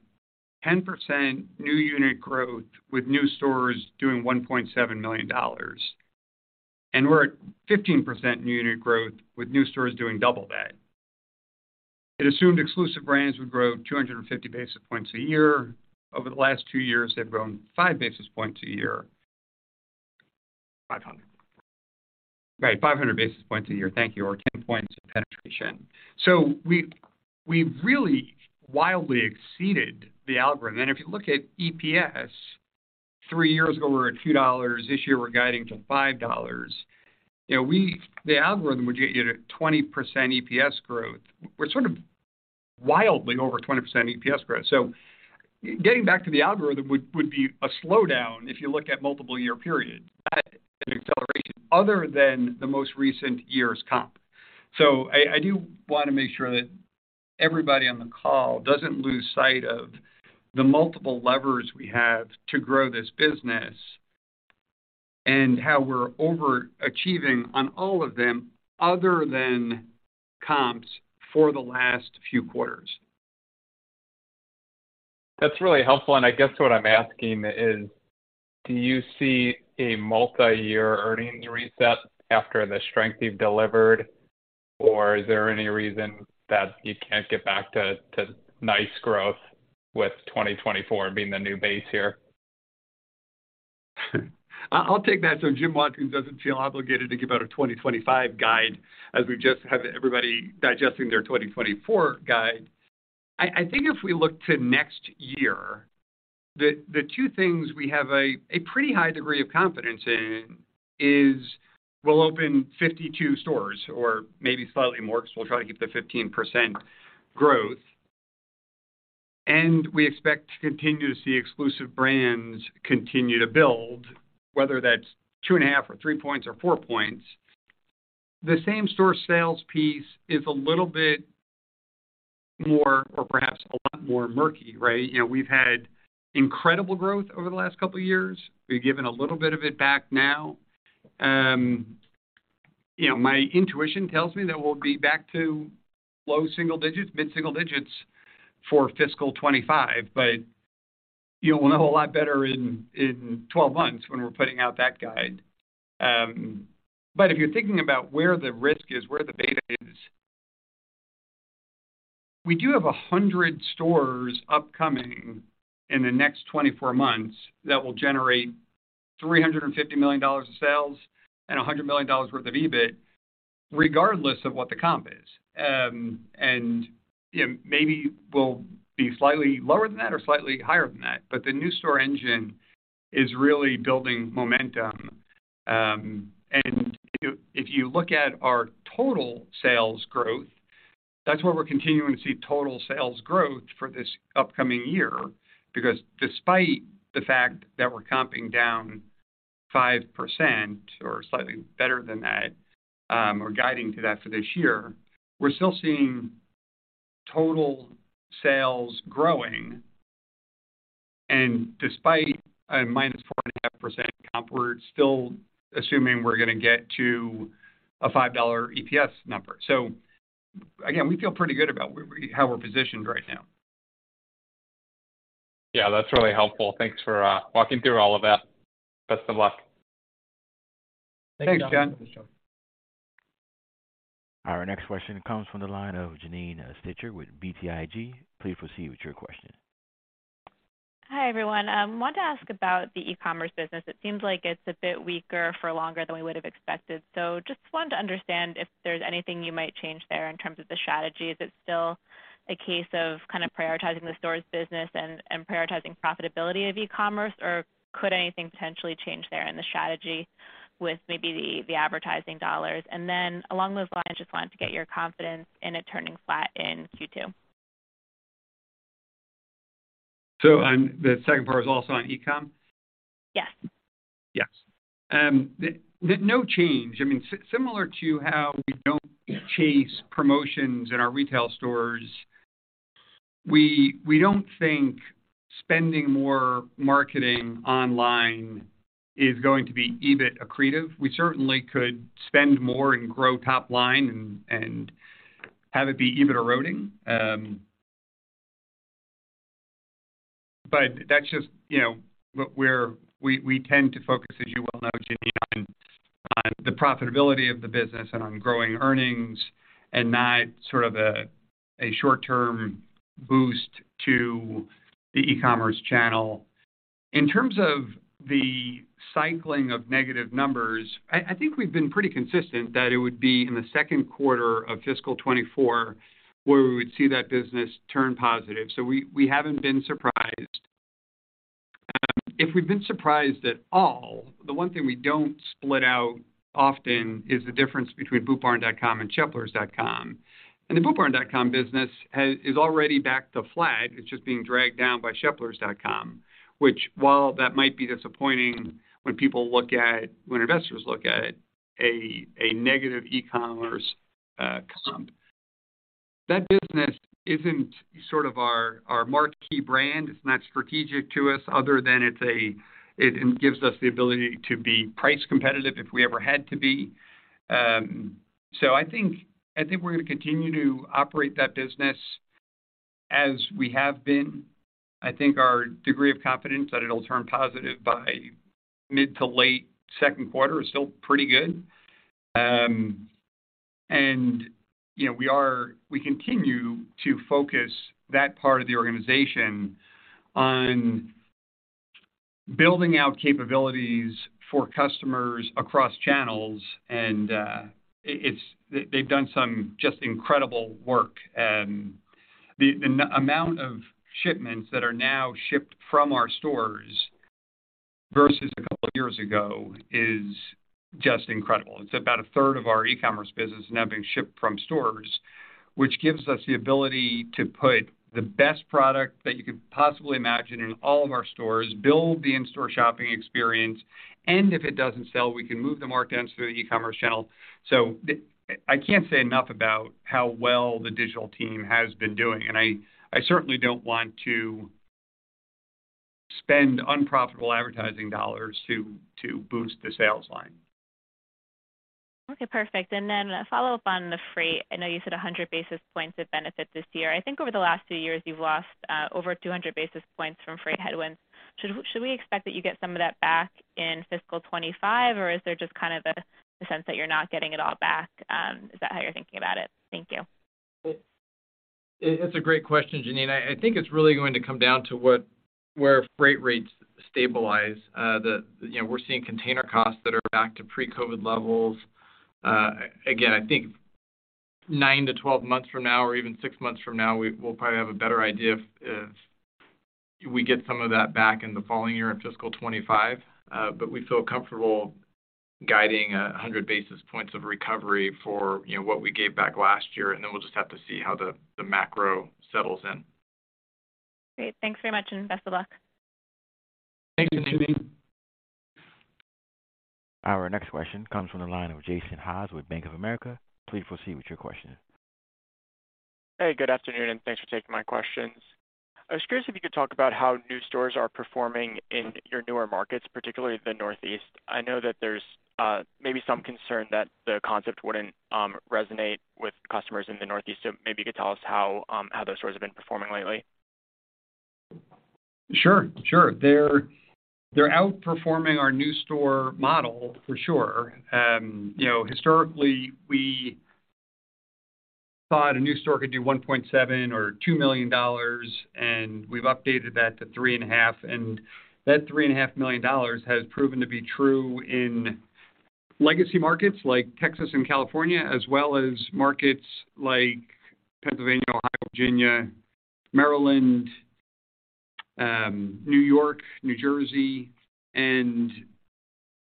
10% new unit growth with new stores doing $1.7 million, and we're at 15% new unit growth with new stores doing double that. It assumed exclusive brands would grow 250 basis points a year. Over the last two years, they've grown five basis points a year. $500. Right. 500 basis points a year, thank you, or 10 points penetration. We really wildly exceeded the algorithm. If you look at EPS, three years ago, we were at $2. This year, we're guiding to $5. You know, the algorithm would get you to 20% EPS growth. We're sort of wildly over 20% EPS growth. Getting back to the algorithm would be a slowdown if you look at multiple year periods, not an acceleration other than the most recent year's comp. I do want to make sure that everybody on the call doesn't lose sight of the multiple levers we have to grow this business and how we're overachieving on all of them other than comps for the last few quarters. That's really helpful, and I guess what I'm asking is, do you see a multiyear earnings reset after the strength you've delivered, or is there any reason that you can't get back to nice growth with 2024 being the new base here? I'll take that. Jim Watkins doesn't feel obligated to give out a 2025 guide as we just have everybody digesting their 2024 guide. I think if we look to next year, the two things we have a pretty high degree of confidence in is we'll open 52 stores or maybe slightly more because we'll try to get the 15% growth, and we expect to continue to see exclusive brands continue to build, whether that's 2.5 or 3 points or four points. The same-store sales piece is a little bit more or perhaps a lot more murky, right? You know, we've had incredible growth over the last couple of years. We've given a little bit of it back now. You know, my intuition tells me that we'll be back to low single-digits-mid-single-digits for fiscal 2025. You'll know a lot better in 12 months when we're putting out that guide. If you're thinking about where the risk is, where the beta is, we do have 100 stores upcoming in the next 24 months that will generate $350 million of sales and $100 million worth of EBIT regardless of what the comp is. You know, maybe we'll be slightly lower than that or slightly higher than that. The new store engine is really building momentum. If you look at our total sales growth, that's where we're continuing to see total sales growth for this upcoming year. Despite the fact that we're comping down 5% or slightly better than that, or guiding to that for this year, we're still seeing total sales growing. Despite a -4.5% comp, we're still assuming we're gonna get to a $5 EPS number. Again, we feel pretty good about how we're positioned right now. Yeah, that's really helpful. Thanks for walking through all of that. Best of luck. Thanks, John. Thanks, John. Our next question comes from the line of Janine Stichter with BTIG. Please proceed with your question. Hi, everyone. Wanted to ask about the e-commerce business. It seems like it's a bit weaker for longer than we would have expected. Just wanted to understand if there's anything you might change there in terms of the strategy. Is it still a case of kind of prioritizing the store's business and prioritizing profitability of e-commerce, or could anything potentially change there in the strategy with maybe the advertising dollars? Along those lines, just wanted to get your confidence in it turning flat in Q2. The second part was also on e-com? Yes. Yes. No change. I mean, similar to how we don't chase promotions in our retail stores, we don't think spending more marketing online is going to be EBIT accretive. We certainly could spend more and grow top line and have it be EBIT eroding. That's just, you know, what we tend to focus, as you well know, Janine, on the profitability of the business and on growing earnings and not sort of a short-term boost to the e-commerce channel. In terms of the cycling of negative numbers, I think we've been pretty consistent that it would be in the second quarter of fiscal 2024 where we would see that business turn positive. We haven't been surprised. If we've been surprised at all, the one thing we don't split out often is the difference between bootbarn.com and sheplers.com. The bootbarn.com business is already back to flag. It's just being dragged down by sheplers.com, which while that might be disappointing when investors look at a negative e-commerce comp, that business isn't sort of our marquee brand. It's not strategic to us other than it gives us the ability to be price competitive if we ever had to be. I think we're gonna continue to operate that business as we have been. I think our degree of confidence that it'll turn positive by mid to late second quarter is still pretty good. You know, we continue to focus that part of the organization on building out capabilities for customers across channels and they've done some just incredible work. The amount of shipments that are now shipped from our stores versus a couple years ago is just incredible. It's about a third of our e-commerce business now being shipped from stores, which gives us the ability to put the best product that you could possibly imagine in all of our stores, build the in-store shopping experience, and if it doesn't sell, we can move the markdowns through the e-commerce channel. I can't say enough about how well the digital team has been doing, and I certainly don't want to spend unprofitable advertising dollars to boost the sales line. Okay, perfect. Then a follow-up on the freight. I know you said 100 basis points of benefit this year. I think over the last two years you've lost over 200 basis points from freight headwinds. Should we expect that you get some of that back in fiscal 2025, or is there just kind of a sense that you're not getting it all back? Is that how you're thinking about it? Thank you. It's a great question, Janine. I think it's really going to come down to where freight rates stabilize. You know, we're seeing container costs that are back to pre-COVID levels. Again, I think nine to 12 months from now or even six months from now, we'll probably have a better idea if we get some of that back in the following year of fiscal 2025. We feel comfortable guiding 100 basis points of recovery for, you know, what we gave back last year. We'll just have to see how the macro settles in. Great. Thanks very much, and best of luck. Thanks, Janine. Our next question comes from the line of Jason Haas with Bank of America. Please proceed with your question. Hey, good afternoon, thanks for taking my questions. I was curious if you could talk about how new stores are performing in your newer markets, particularly the Northeast. I know that there's maybe some concern that the concept wouldn't resonate with customers in the Northeast. Maybe you could tell us how those stores have been performing lately. Sure. They're outperforming our new store model for sure. You know, historically we thought a new store could do $1.7 million or $2 million, we've updated that to 3 1/2. That $3.5 million has proven to be true in legacy markets like Texas and California, as well as markets like Pennsylvania, Ohio, Virginia, Maryland, New York, New Jersey.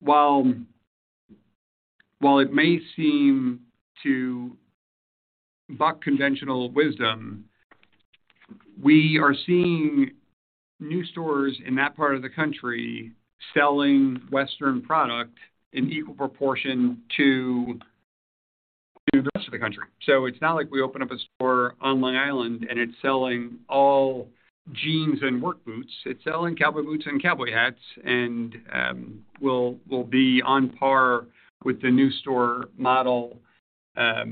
While it may seem to buck conventional wisdom, we are seeing new stores in that part of the country selling Western product in equal proportion to the rest of the country. It's not like we open up a store on Long Island and it's selling all jeans and work boots. It's selling cowboy boots and cowboy hats and, will be on par with the new store model, Oh,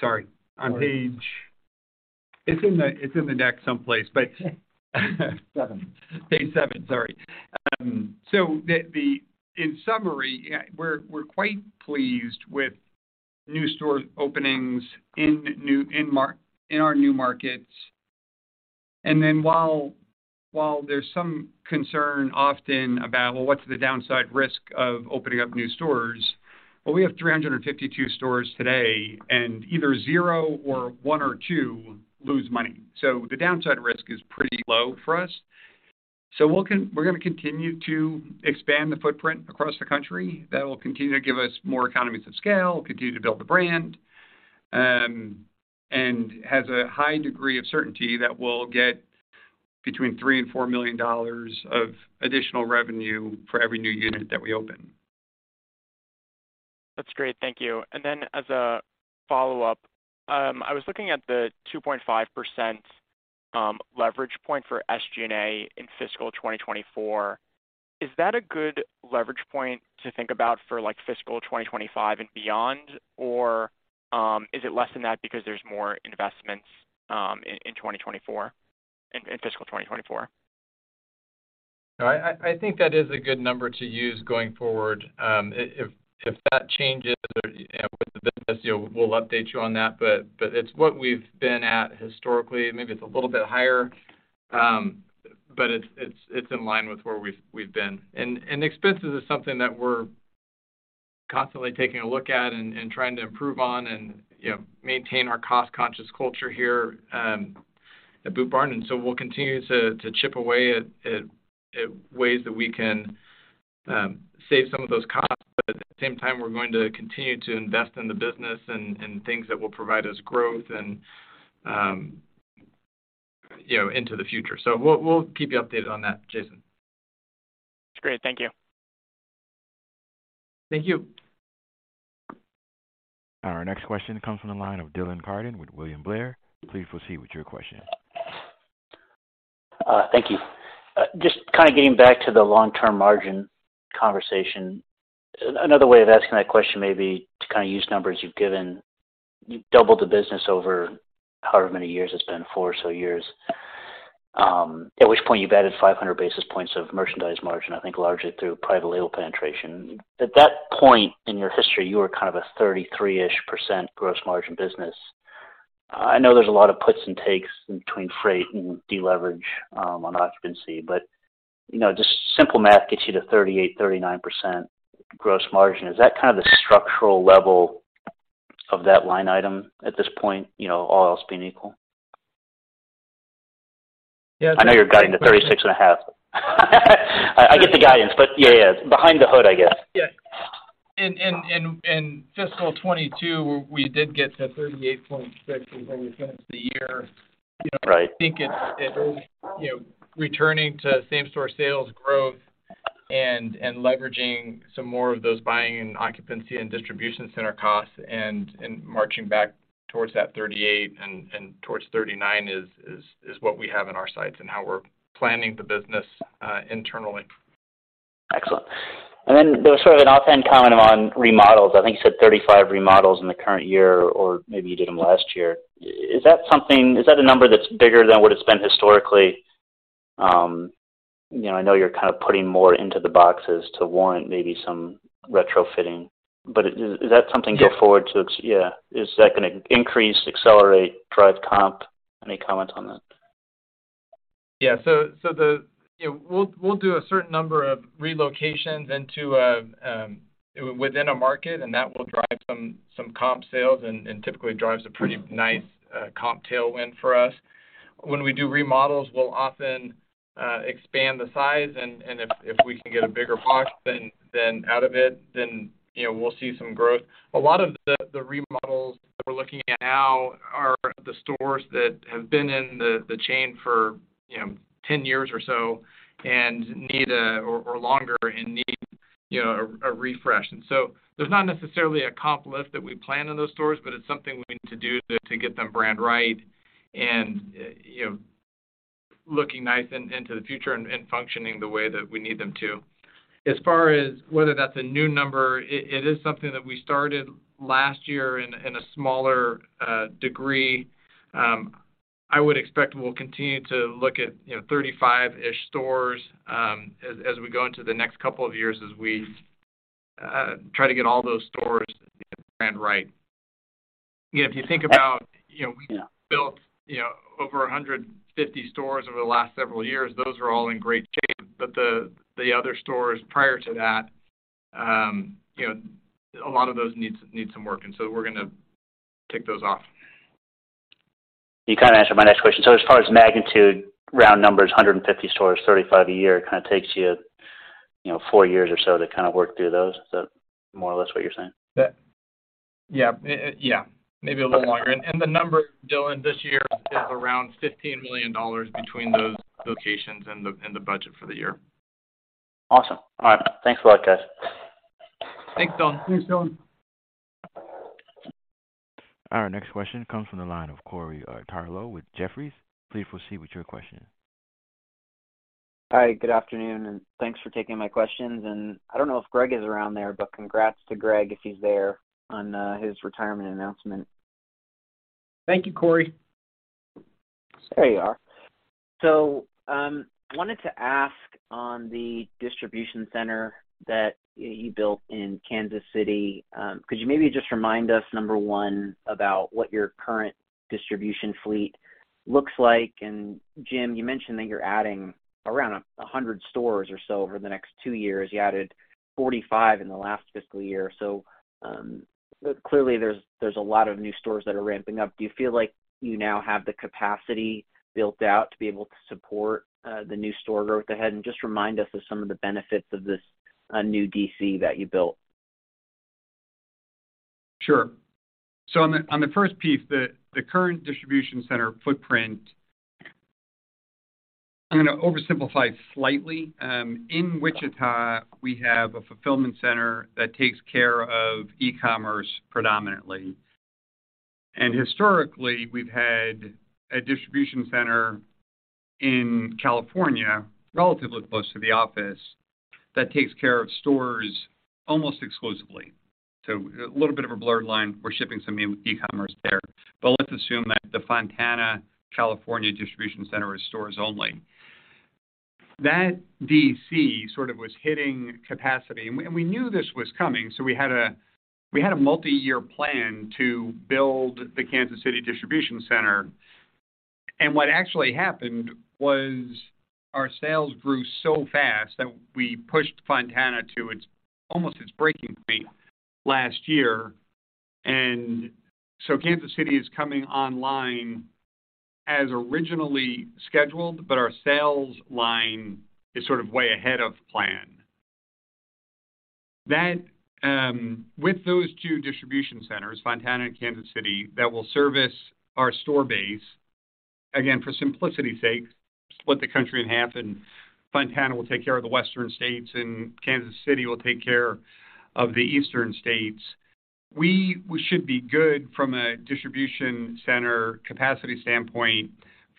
sorry, on page, it's in the deck someplace, but- Seven. Page 7, sorry. In summary, yeah, we're quite pleased with new store openings in new, in our new markets. While there's some concern often about, well, what's the downside risk of opening up new stores? Well, we have 352 stores today, and either zero or one or two lose money. The downside risk is pretty low for us. We're gonna continue to expand the footprint across the country. That will continue to give us more economies of scale, continue to build the brand, and has a high degree of certainty that we'll get between $3 million and $4 million of additional revenue for every new unit that we open. That's great. Thank you. As a follow-up, I was looking at the 2.5% leverage point for SG&A in fiscal 2024. Is that a good leverage point to think about for like fiscal 2025 and beyond? Or is it less than that because there's more investments in 2024, in fiscal 2024? No, I think that is a good number to use going forward. If that changes or, you know, with the business, you know, we'll update you on that. It's what we've been at historically. Maybe it's a little bit higher, but it's in line with where we've been. Expenses is something that we're constantly taking a look at and trying to improve on and, you know, maintain our cost-conscious culture here at Boot Barn. We'll continue to chip away at ways that we can save some of those costs. At the same time, we're going to continue to invest in the business and things that will provide us growth and, you know, into the future. We'll keep you updated on that, Jason. That's great. Thank you. Thank you. Our next question comes from the line of Dylan Carden with William Blair. Please proceed with your question. Thank you. Just kind of getting back to the long-term margin conversation. Another way of asking that question may be to kind of use numbers you've given. You've doubled the business over however many years it's been, four or so years, at which point you've added 500 basis points of merchandise margin, I think largely through private label penetration. At that point in your history, you were kind of a 33-ish% gross margin business. I know there's a lot of puts and takes between freight and deleverage on occupancy, but, you know, just simple math gets you to 38-39% gross margin. Is that kind of the structural level of that line item at this point, you know, all else being equal? Yeah. I know you're guiding the 36 1/2. I get the guidance, yeah. Behind the hood, I guess. Yeah. In fiscal 2022, we did get to 38.6 before we finished the year. Right. You know, I think it's, you know, returning to same-store sales growth and leveraging some more of those buying and occupancy and distribution center costs and marching back towards that 38% and towards 39% is what we have in our sights and how we're planning the business internally. Excellent. There was sort of an offhand comment on remodels. I think you said 35 remodels in the current year, or maybe you did them last year. Is that a number that's bigger than what it's been historically? You know, I know you're kind of putting more into the boxes to warrant maybe some retrofitting, but is that something going forward to. Yeah. Is that gonna increase, accelerate, drive comp? Any comment on that? Yeah. You know, we'll do a certain number of relocations into within a market, and that will drive some comp sales and typically drives a pretty nice comp tailwind for us. When we do remodels, we'll often expand the size, and if we can get a bigger box out of it, then, you know, we'll see some growth. A lot of the remodels that we're looking at now are the stores that have been in the chain for, you know, 10 years or so or longer and need, you know, a refresh. There's not necessarily a comp lift that we plan in those stores, but it's something we need to do to get them brand-right and, you know, looking nice into the future and functioning the way that we need them to. As far as whether that's a new number, it is something that we started last year in a smaller degree. I would expect we'll continue to look at, you know, 35-ish stores, as we go into the next couple of years as we try to get all those stores brand-right. You know, if you think about, you know, we built, you know, over 150 stores over the last several years. Those are all in great shape. The other stores prior to that, you know, a lot of those need some work, and so we're gonna tick those off. You kind of answered my next question. As far as magnitude, round numbers, 150 stores, 35 a year kind of takes you know, four years or so to kind of work through those. Is that more or less what you're saying? Yeah. Yeah. Maybe a little longer. And the number, Dylan, this year is around $15 million between those locations and the, and the budget for the year. Awesome. All right. Thanks a lot, guys. Thanks, Dylan. Thanks, Dylan. Our next question comes from the line of Corey Tarlowe with Jefferies. Please proceed with your question. Hi, good afternoon, thanks for taking my questions. I don't know if Greg is around there, but congrats to Greg, if he's there, on his retirement announcement. Thank you, Corey. There you are. Wanted to ask on the distribution center that you built in Kansas City, could you maybe just remind us, number one, about what your current distribution fleet looks like? Jim, you mentioned that you're adding around 100 stores or so over the next two years. You added 45 in the last fiscal year. Clearly there's a lot of new stores that are ramping up. Do you feel like you now have the capacity built out to be able to support the new store growth ahead? Just remind us of some of the benefits of this new D.C. that you built. Sure. On the first piece, the current distribution center footprint. I'm gonna oversimplify slightly. In Wichita, we have a fulfillment center that takes care of e-commerce predominantly. Historically, we've had a distribution center in California, relatively close to the office, that takes care of stores almost exclusively. A little bit of a blurred line. We're shipping some e-commerce there. Let's assume that the Fontana, California distribution center is stores only. That D.C. sort of was hitting capacity. We knew this was coming, so we had a multi-year plan to build the Kansas City distribution center. What actually happened was our sales grew so fast that we pushed Fontana to its almost its breaking point last year. Kansas City is coming online as originally scheduled, but our sales line is sort of way ahead of plan. With those two distribution centers, Fontana and Kansas City, that will service our store base. For simplicity's sake, split the country in half, and Fontana will take care of the Western states, and Kansas City will take care of the Eastern states. We should be good from a distribution center capacity standpoint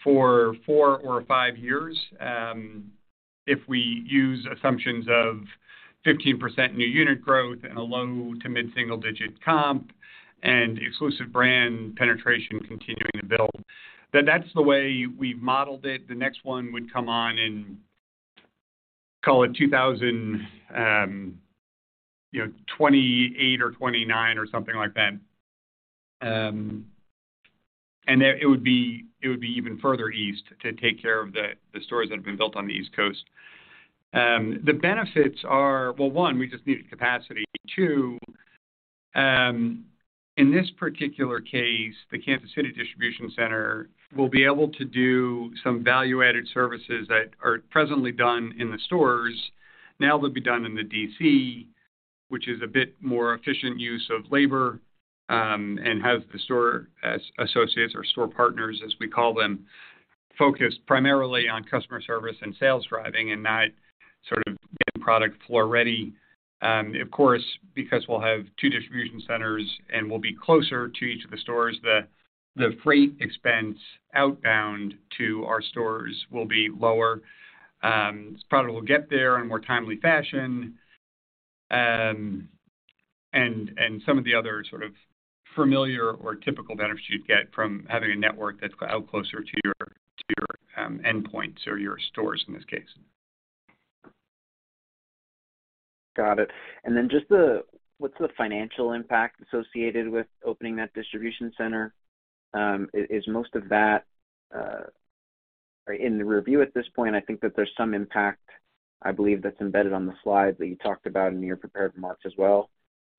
for four or five years, if we use assumptions of 15% new unit growth and a low to mid-single digit comp and exclusive brand penetration continuing to build. That's the way we've modeled it. The next one would come on in, call it 2028 or 2029 or something like that. It would be, it would be even further east to take care of the stores that have been built on the East Coast. The benefits are, well, one, we just needed capacity. Two, in this particular case, the Kansas City distribution center will be able to do some value-added services that are presently done in the stores. They'll be done in the D.C., which is a bit more efficient use of labor, and have the store associates or store partners, as we call them, focused primarily on customer service and sales driving and not sort of getting product floor ready. Of course, because we'll have two distribution centers and we'll be closer to each of the stores, the freight expense outbound to our stores will be lower. Product will get there in a more timely fashion. Some of the other sort of familiar or typical benefits you'd get from having a network that's out closer to your endpoints or your stores in this case. Got it. Then just what's the financial impact associated with opening that distribution center? Is most of that in the review at this point, I think that there's some impact, I believe, that's embedded on the slide that you talked about in your prepared remarks as well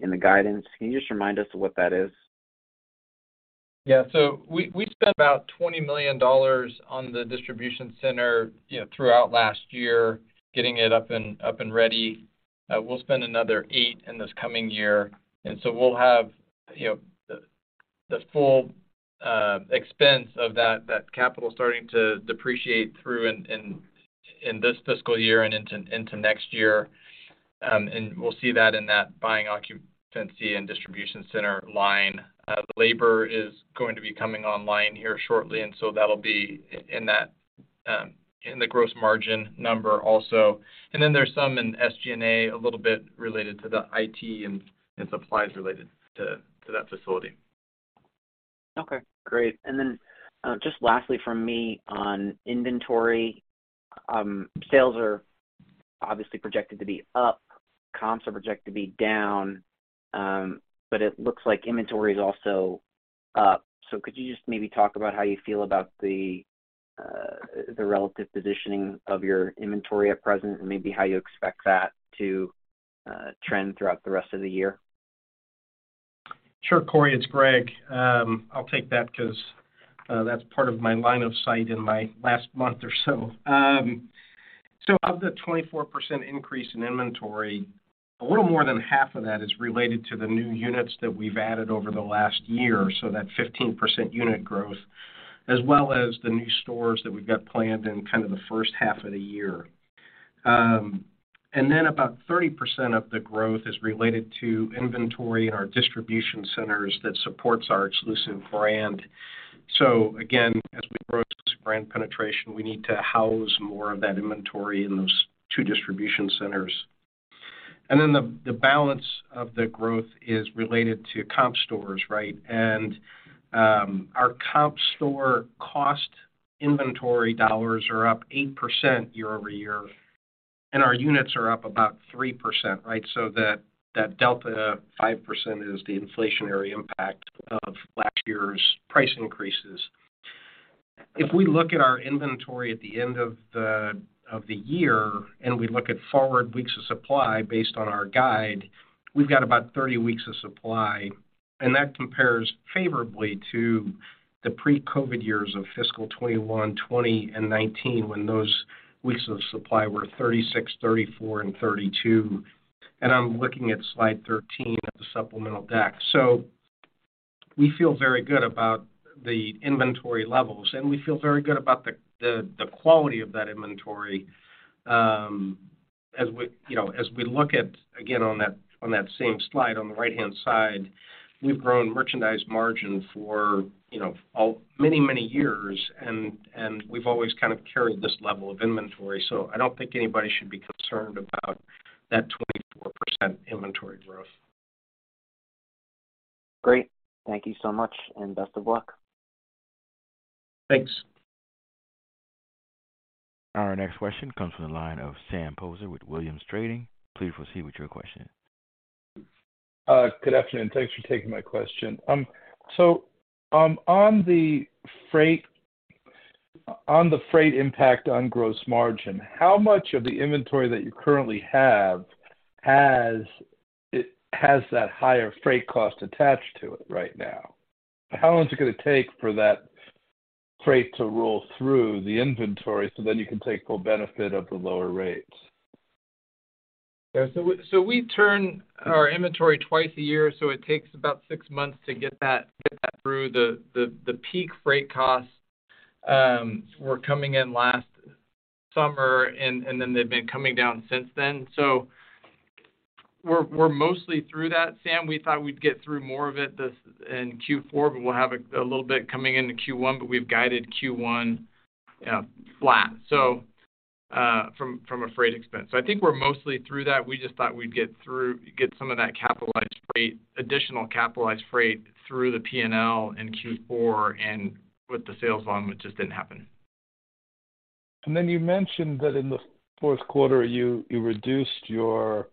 in the guidance. Can you just remind us of what that is? We spent about $20 million on the distribution center, you know, throughout last year, getting it up and ready. We'll spend another $8 million in this coming year, and so we'll have, you know, the full expense of that capital starting to depreciate through in this fiscal year and into next year. We'll see that in that buying occupancy and distribution center line. The labor is going to be coming online here shortly, and so that'll be in that in the gross margin number also. Then there's some in SG&A, a little bit related to the IT and supplies related to that facility. Okay, great. Just lastly from me on inventory, sales are obviously projected to be up, comps are projected to be down, but it looks like inventory is also up. Could you just maybe talk about how you feel about the relative positioning of your inventory at present and maybe how you expect that to trend throughout the rest of the year? Sure, Corey, it's Greg. I'll take that because that's part of my line of sight in my last month or so. Of the 24% increase in inventory, a little more than half of that is related to the new units that we've added over the last year, so that 15% unit growth, as well as the new stores that we've got planned in kind of the first half of the year. About 30% of the growth is related to inventory in our distribution centers that supports our exclusive brand. Again, as we grow exclusive brand penetration, we need to house more of that inventory in those two distribution centers. The balance of the growth is related to comp stores, right? Our comp store cost inventory dollars are up 8% year-over-year, and our units are up about 3%, right? That delta 5% is the inflationary impact of last year's price increases. If we look at our inventory at the end of the year, and we look at forward weeks of supply based on our guide, we've got about 30 weeks of supply. That compares favorably to the pre-COVID years of fiscal 2021, 2020, and 2019 when those weeks of supply were 36, 34, and 32. I'm looking at slide 13 of the supplemental deck. We feel very good about the inventory levels, and we feel very good about the quality of that inventory, as we, you know, as we look at, again, on that, on that same slide on the right-hand side, we've grown merchandise margin for, you know, many, many years, and we've always kind of carried this level of inventory. I don't think anybody should be concerned about that 24% inventory growth. Great. Thank you so much, and best of luck. Thanks. Our next question comes from the line of Sam Poser with Williams Trading. Please proceed with your question. Good afternoon. Thanks for taking my question. On the freight, on the freight impact on gross margin, how much of the inventory that you currently have has that higher freight cost attached to it right now? How long is it gonna take for that freight to roll through the inventory, so then you can take full benefit of the lower rates? We turn our inventory twice a year, it takes about six months to get that through. The peak freight costs were coming in last summer and then they've been coming down since then. We're mostly through that, Sam. We thought we'd get through more of it in Q4, but we'll have a little bit coming into Q1, but we've guided Q1, you know, flat, so from a freight expense. I think we're mostly through that. We just thought we'd get some of that capitalized freight, additional capitalized freight through the P&L in Q4 and with the sales volume, it just didn't happen. Then you mentioned that in the fourth quarter, you reduced your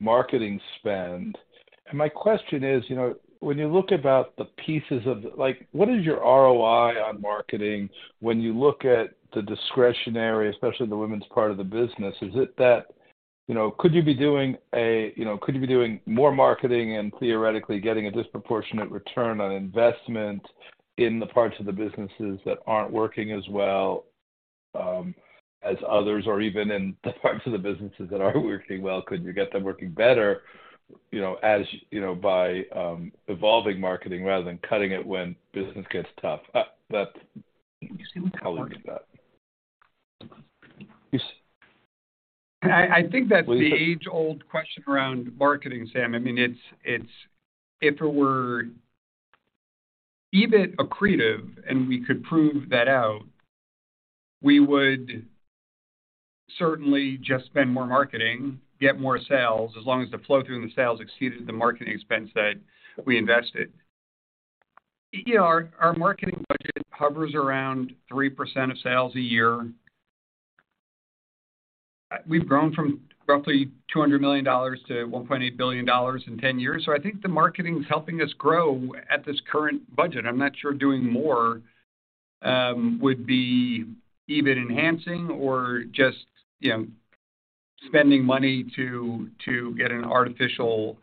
marketing spend. My question is, you know, when you look about the pieces of like, what is your ROI on marketing when you look at the discretionary, especially the women's part of the business? Is it that, you know, could you be doing a, you know, could you be doing more marketing and theoretically getting a disproportionate return on investment in the parts of the businesses that aren't working as well as others or even in the parts of the businesses that are working well, could you get them working better, you know, as, you know, by evolving marketing rather than cutting it when business gets tough? That's how I look at that. I think that's the age-old question around marketing, Sam. I mean, if it were EBIT accretive, and we could prove that out, we would certainly just spend more marketing, get more sales, as long as the flow through in the sales exceeded the marketing expense that we invested. You know, our marketing budget hovers around 3% of sales a year. We've grown from roughly $200 million to $1.8 billion in 10 years. I think the marketing's helping us grow at this current budget. I'm not sure doing more would be EBIT enhancing or just, you know, spending money to get an artificial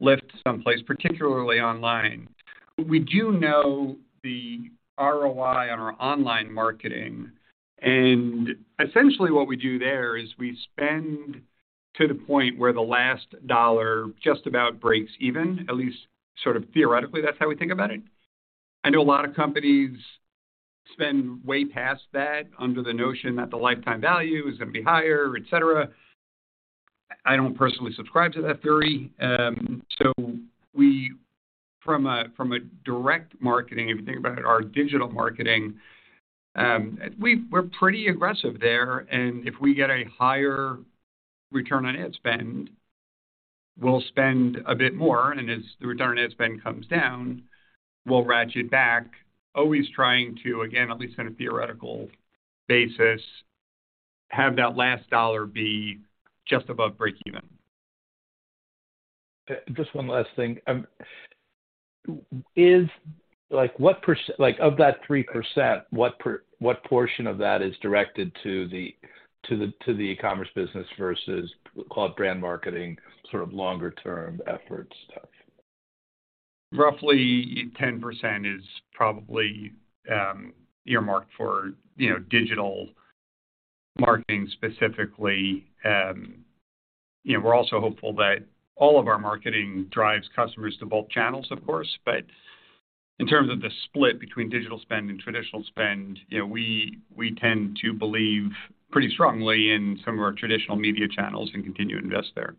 lift someplace, particularly online. We do know the ROI on our online marketing. Essentially what we do there is we spend to the point where the last $1 just about breaks even, at least sort of theoretically, that's how we think about it. I know a lot of companies spend way past that under the notion that the lifetime value is gonna be higher, et cetera. I don't personally subscribe to that theory. From a direct marketing, if you think about our digital marketing, we're pretty aggressive there. If we get a higher return on ad spend, we'll spend a bit more. As the return on ad spend comes down, we'll ratchet back, always trying to, again, at least on a theoretical basis, have that last $1 be just above break even. Just one last thing. Like, what percent Like, of that 3%, what portion of that is directed to the e-commerce business versus cloud brand marketing sort of longer-term effort stuff? Roughly 10% is probably earmarked for, you know, digital marketing specifically. You know, we're also hopeful that all of our marketing drives customers to both channels, of course. In terms of the split between digital spend and traditional spend, you know, we tend to believe pretty strongly in some of our traditional media channels and continue to invest there.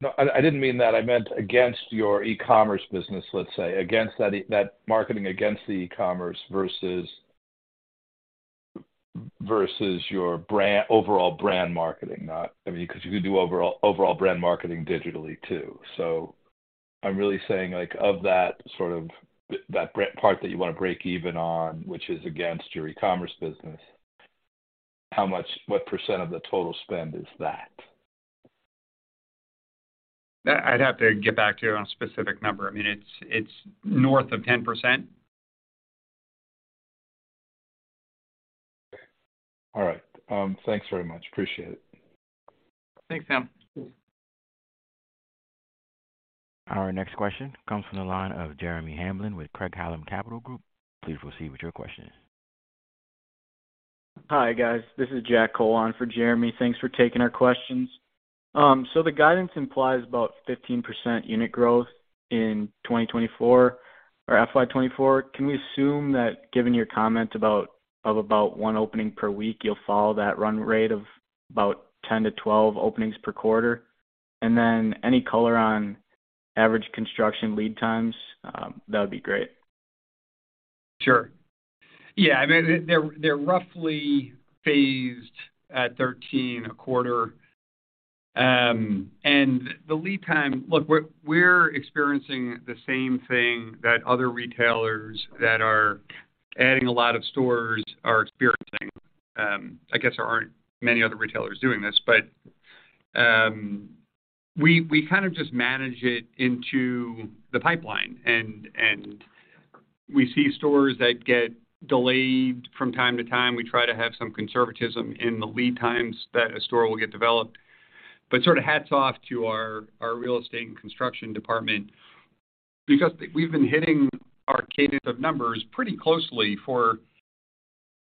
No, I didn't mean that. I meant against your e-commerce business, let's say, against that marketing against the e-commerce versus your overall brand marketing, not. I mean, 'cause you could do overall brand marketing digitally too. So I'm really saying, like, of that sort of that part that you wanna break even on, which is against your e-commerce business, what percent of the total spend is that? I'd have to get back to you on a specific number. I mean, it's north of 10%. All right. Thanks very much. Appreciate it. Thanks, Sam. Our next question comes from the line of Jeremy Hamblin with Craig-Hallum Capital Group. Please proceed with your question. Hi, guys. This is Jack Cole for Jeremy Hamblin. Thanks for taking our questions. The guidance implies about 15% unit growth in 2024 or FY 2024. Can we assume that given your comments about one opening per week, you'll follow that run rate of about 10-12 openings per quarter? Any color on average construction lead times, that would be great. Sure. Yeah, I mean, they're roughly phased at 13 a quarter. The lead time. Look, we're experiencing the same thing that other retailers that are adding a lot of stores are experiencing. I guess there aren't many other retailers doing this, but, we kind of just manage it into the pipeline and we see stores that get delayed from time to time. We try to have some conservatism in the lead times that a store will get developed. Sort of hats off to our real estate and construction department because we've been hitting our cadence of numbers pretty closely for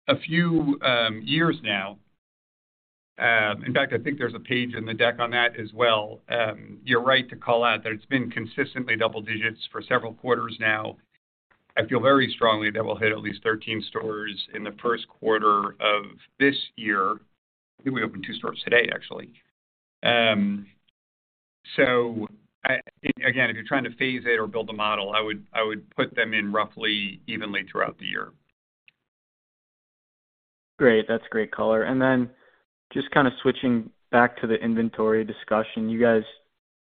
a few years now. In fact, I think there's a page in the deck on that as well. You're right to call out that it's been consistently double digits for several quarters now. I feel very strongly that we'll hit at least 13 stores in the first quarter of this year. I think we opened two stores today, actually. Again, if you're trying to phase it or build a model, I would put them in roughly evenly throughout the year. Great. That's great color. Just kind of switching back to the inventory discussion. You guys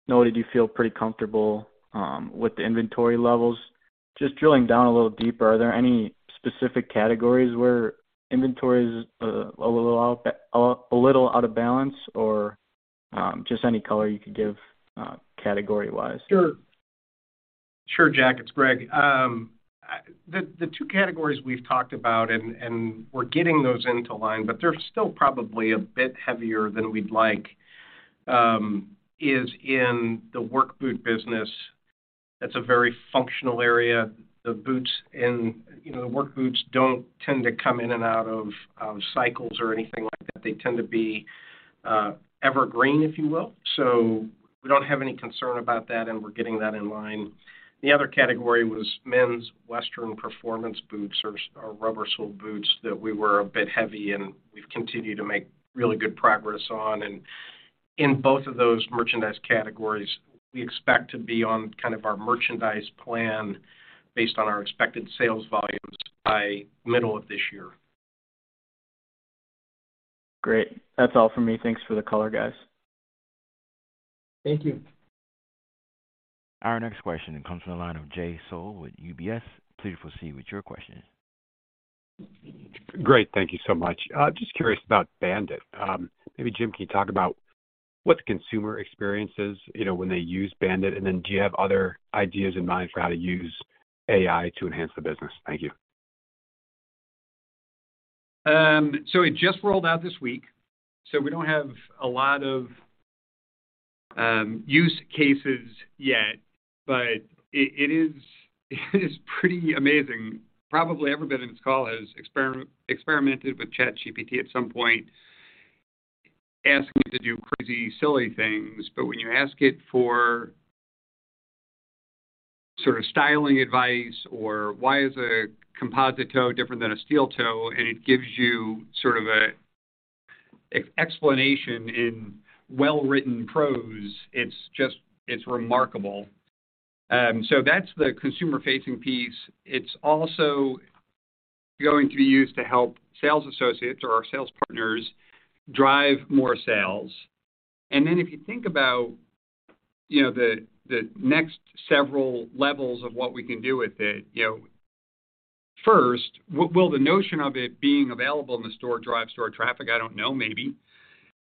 noted you feel pretty comfortable with the inventory levels. Just drilling down a little deeper, are there any specific categories where inventory is a little out of balance? Just any color you could give category-wise? Sure. Sure, Jack, it's Greg. The two categories we've talked about and we're getting those into line, but they're still probably a bit heavier than we'd like, is in the work boot business. That's a very functional area. You know, the work boots don't tend to come in and out of cycles or anything like that. They tend to be evergreen, if you will. We don't have any concern about that, and we're getting that in line. The other category was men's Western performance boots or rubber sole boots that we were a bit heavy and we've continued to make really good progress on. In both of those merchandise categories, we expect to be on kind of our merchandise plan based on our expected sales volumes by middle of this year. Great. That's all for me. Thanks for the color, guys. Thank you. Our next question comes from the line of Jay Sole with UBS. Please proceed with your question. Great. Thank you so much. Just curious about Bandit. Maybe, Jim, can you talk about what the consumer experiences, you know, when they use Bandit? Do you have other ideas in mind for how to use AI to enhance the business? Thank you. It just rolled out this week, so we don't have a lot of use cases yet, but it is pretty amazing. Probably everybody in this call has experimented with ChatGPT at some point, asking to do crazy, silly things. When you ask it for sort of styling advice or why is a composite toe different than a steel toe, and it gives you sort of a explanation in well-written prose, it's just, it's remarkable. That's the consumer-facing piece. It's also going to be used to help sales associates or our sales partners drive more sales. If you think about, you know, the next several levels of what we can do with it. You know, first, will the notion of it being available in the store drive store traffic? I don't know. Maybe.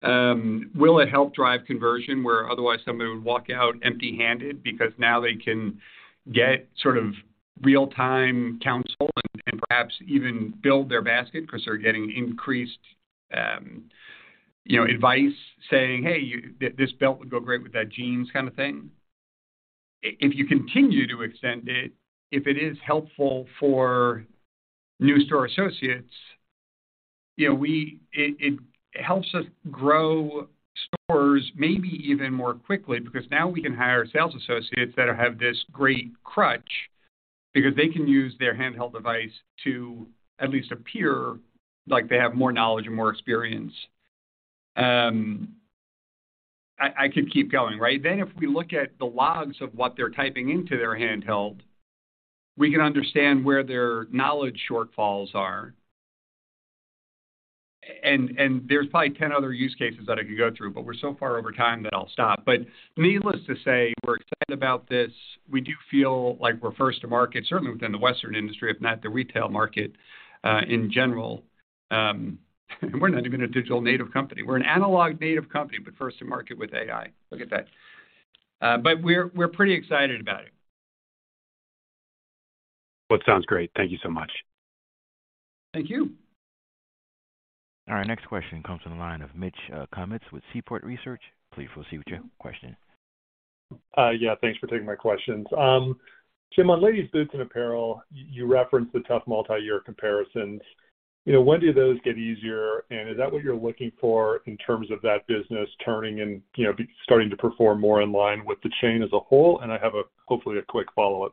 Will it help drive conversion where otherwise somebody would walk out empty-handed because now they can get sort of real-time counsel and perhaps even build their basket because they're getting increased, you know, advice saying, "Hey, this belt would go great with that jeans," kind of thing. If you continue to extend it, if it is helpful for new store associates, you know, it helps us grow stores maybe even more quickly because now we can hire sales associates that have this great crutch because they can use their handheld device to at least appear like they have more knowledge and more experience. I could keep going, right? If we look at the logs of what they're typing into their handheld, we can understand where their knowledge shortfalls are. There's probably 10 other use cases that I could go through, but we're so far over time that I'll stop. Needless to say, we're excited about this. We do feel like we're first to market, certainly within the Western industry, if not the retail market, in general. We're not even a digital native company. We're an analog native company, but first to market with AI. Look at that. We're pretty excited about it. Well, it sounds great. Thank you so much. Thank you. All right. Next question comes from the line of Mitch Kummetz with Seaport Research. Please proceed with your question. Yeah, thanks for taking my questions. Jim, on ladies' boots and apparel, you referenced the tough multiyear comparisons. You know, when do those get easier, and is that what you're looking for in terms of that business turning and, you know, starting to perform more in line with the chain as a whole? I have a, hopefully, a quick follow-up.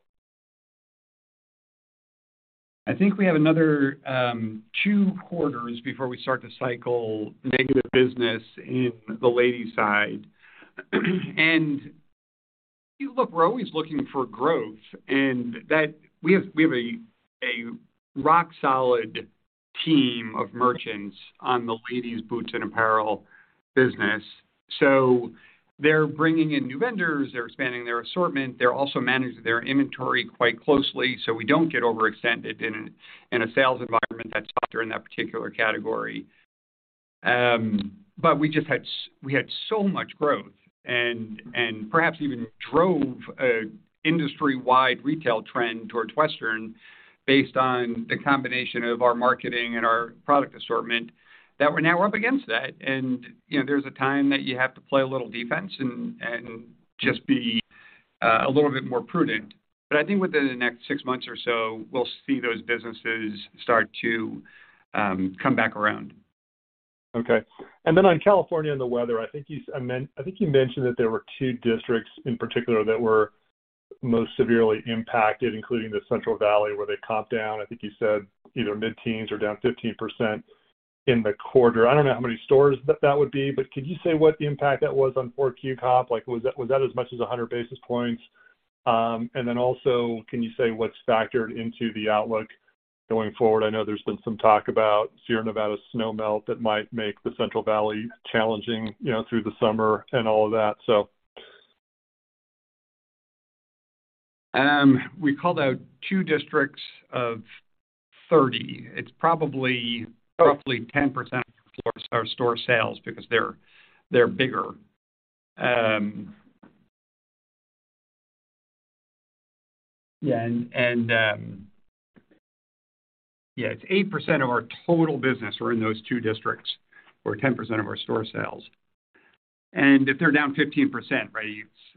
I think we have another two quarters before we start to cycle negative business in the ladies side. Look, we're always looking for growth and that we have a rock solid team of merchants on the ladies boots and apparel business. They're bringing in new vendors. They're expanding their assortment. They're also managing their inventory quite closely, so we don't get overextended in a sales environment that's softer in that particular category. We just had so much growth and perhaps even drove an industry-wide retail trend towards western based on the combination of our marketing and our product assortment that we're now we're up against that. You know, there's a time that you have to play a little defense and just be a little bit more prudent. I think within the next six months or so, we'll see those businesses start to come back around. Okay. On California and the weather, I think you mentioned that there were two districts in particular that were most severely impacted, including the Central Valley, where they comp down, I think you said either mid-teens or down 15% in the quarter. I don't know how many stores that that would be, but could you say what the impact that was on 4Q comp? Like, was that, was that as much as 100 basis points? Also can you say what's factored into the outlook going forward? I know there's been some talk about Sierra Nevada snow melt that might make the Central Valley challenging, you know, through the summer and all of that, so. We called out two districts of 30. It's probably roughly 10% of our store sales because they're bigger. Yeah, it's 8% of our total business are in those two districts, or 10% of our store sales. If they're down 15%, right,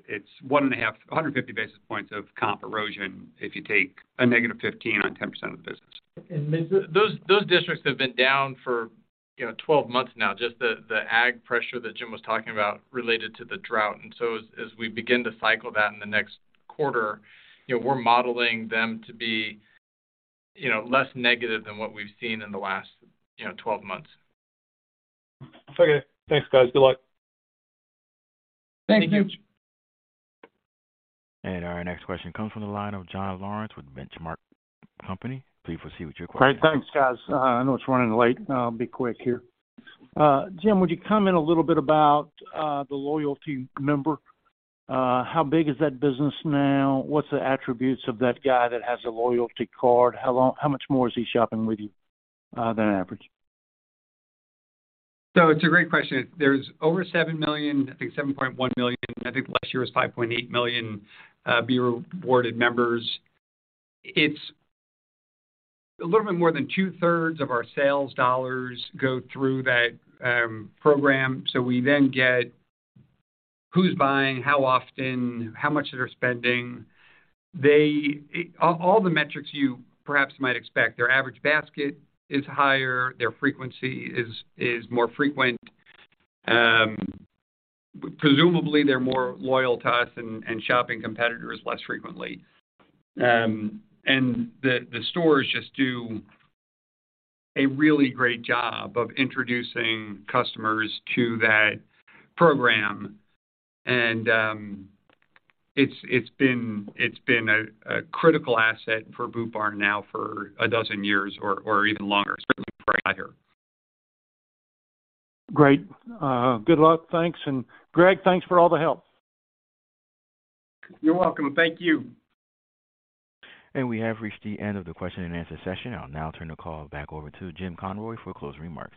it's 150 basis points of comp erosion if you take a negative 15 on 10% of the business. Those districts have been down for, you know, 12 months now, just the ag pressure that Jim was talking about related to the drought. As we begin to cycle that in the next quarter, you know, we're modeling them to be, you know, less negative than what we've seen in the last, you know, 12 months. Okay. Thanks, guys. Good luck. Thanks, Mitch. Our next question comes from the line of John Lawrence with Benchmark Company. Please proceed with your question. Great. Thanks, guys. I know it's running late. I'll be quick here. Jim, would you comment a little bit about the loyalty member? How big is that business now? What's the attributes of that guy that has a loyalty card? How much more is he shopping with you than average? It's a great question. There's over 7 million, I think 7.1 million, I think last year was 5.8 million, B Rewarded members. It's a little bit more than two-thirds of our sales dollars go through that program. We then get who's buying, how often, how much they're spending. All the metrics you perhaps might expect. Their average basket is higher, their frequency is more frequent. Presumably, they're more loyal to us and shopping competitors less frequently. The stores just do a really great job of introducing customers to that program. It's been a critical asset for Boot Barn now for 12 years or even longer, especially before I got here. Great. Good luck. Thanks. Greg, thanks for all the help. You're welcome. Thank you. We have reached the end of the question and answer session. I'll now turn the call back over to Jim Conroy for closing remarks.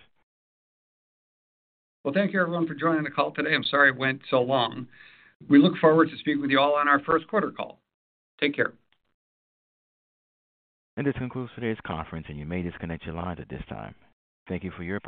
Well, thank you everyone for joining the call today. I'm sorry it went so long. We look forward to speaking with you all on our first quarter call. Take care. This concludes today's conference, and you may disconnect your lines at this time. Thank you for your.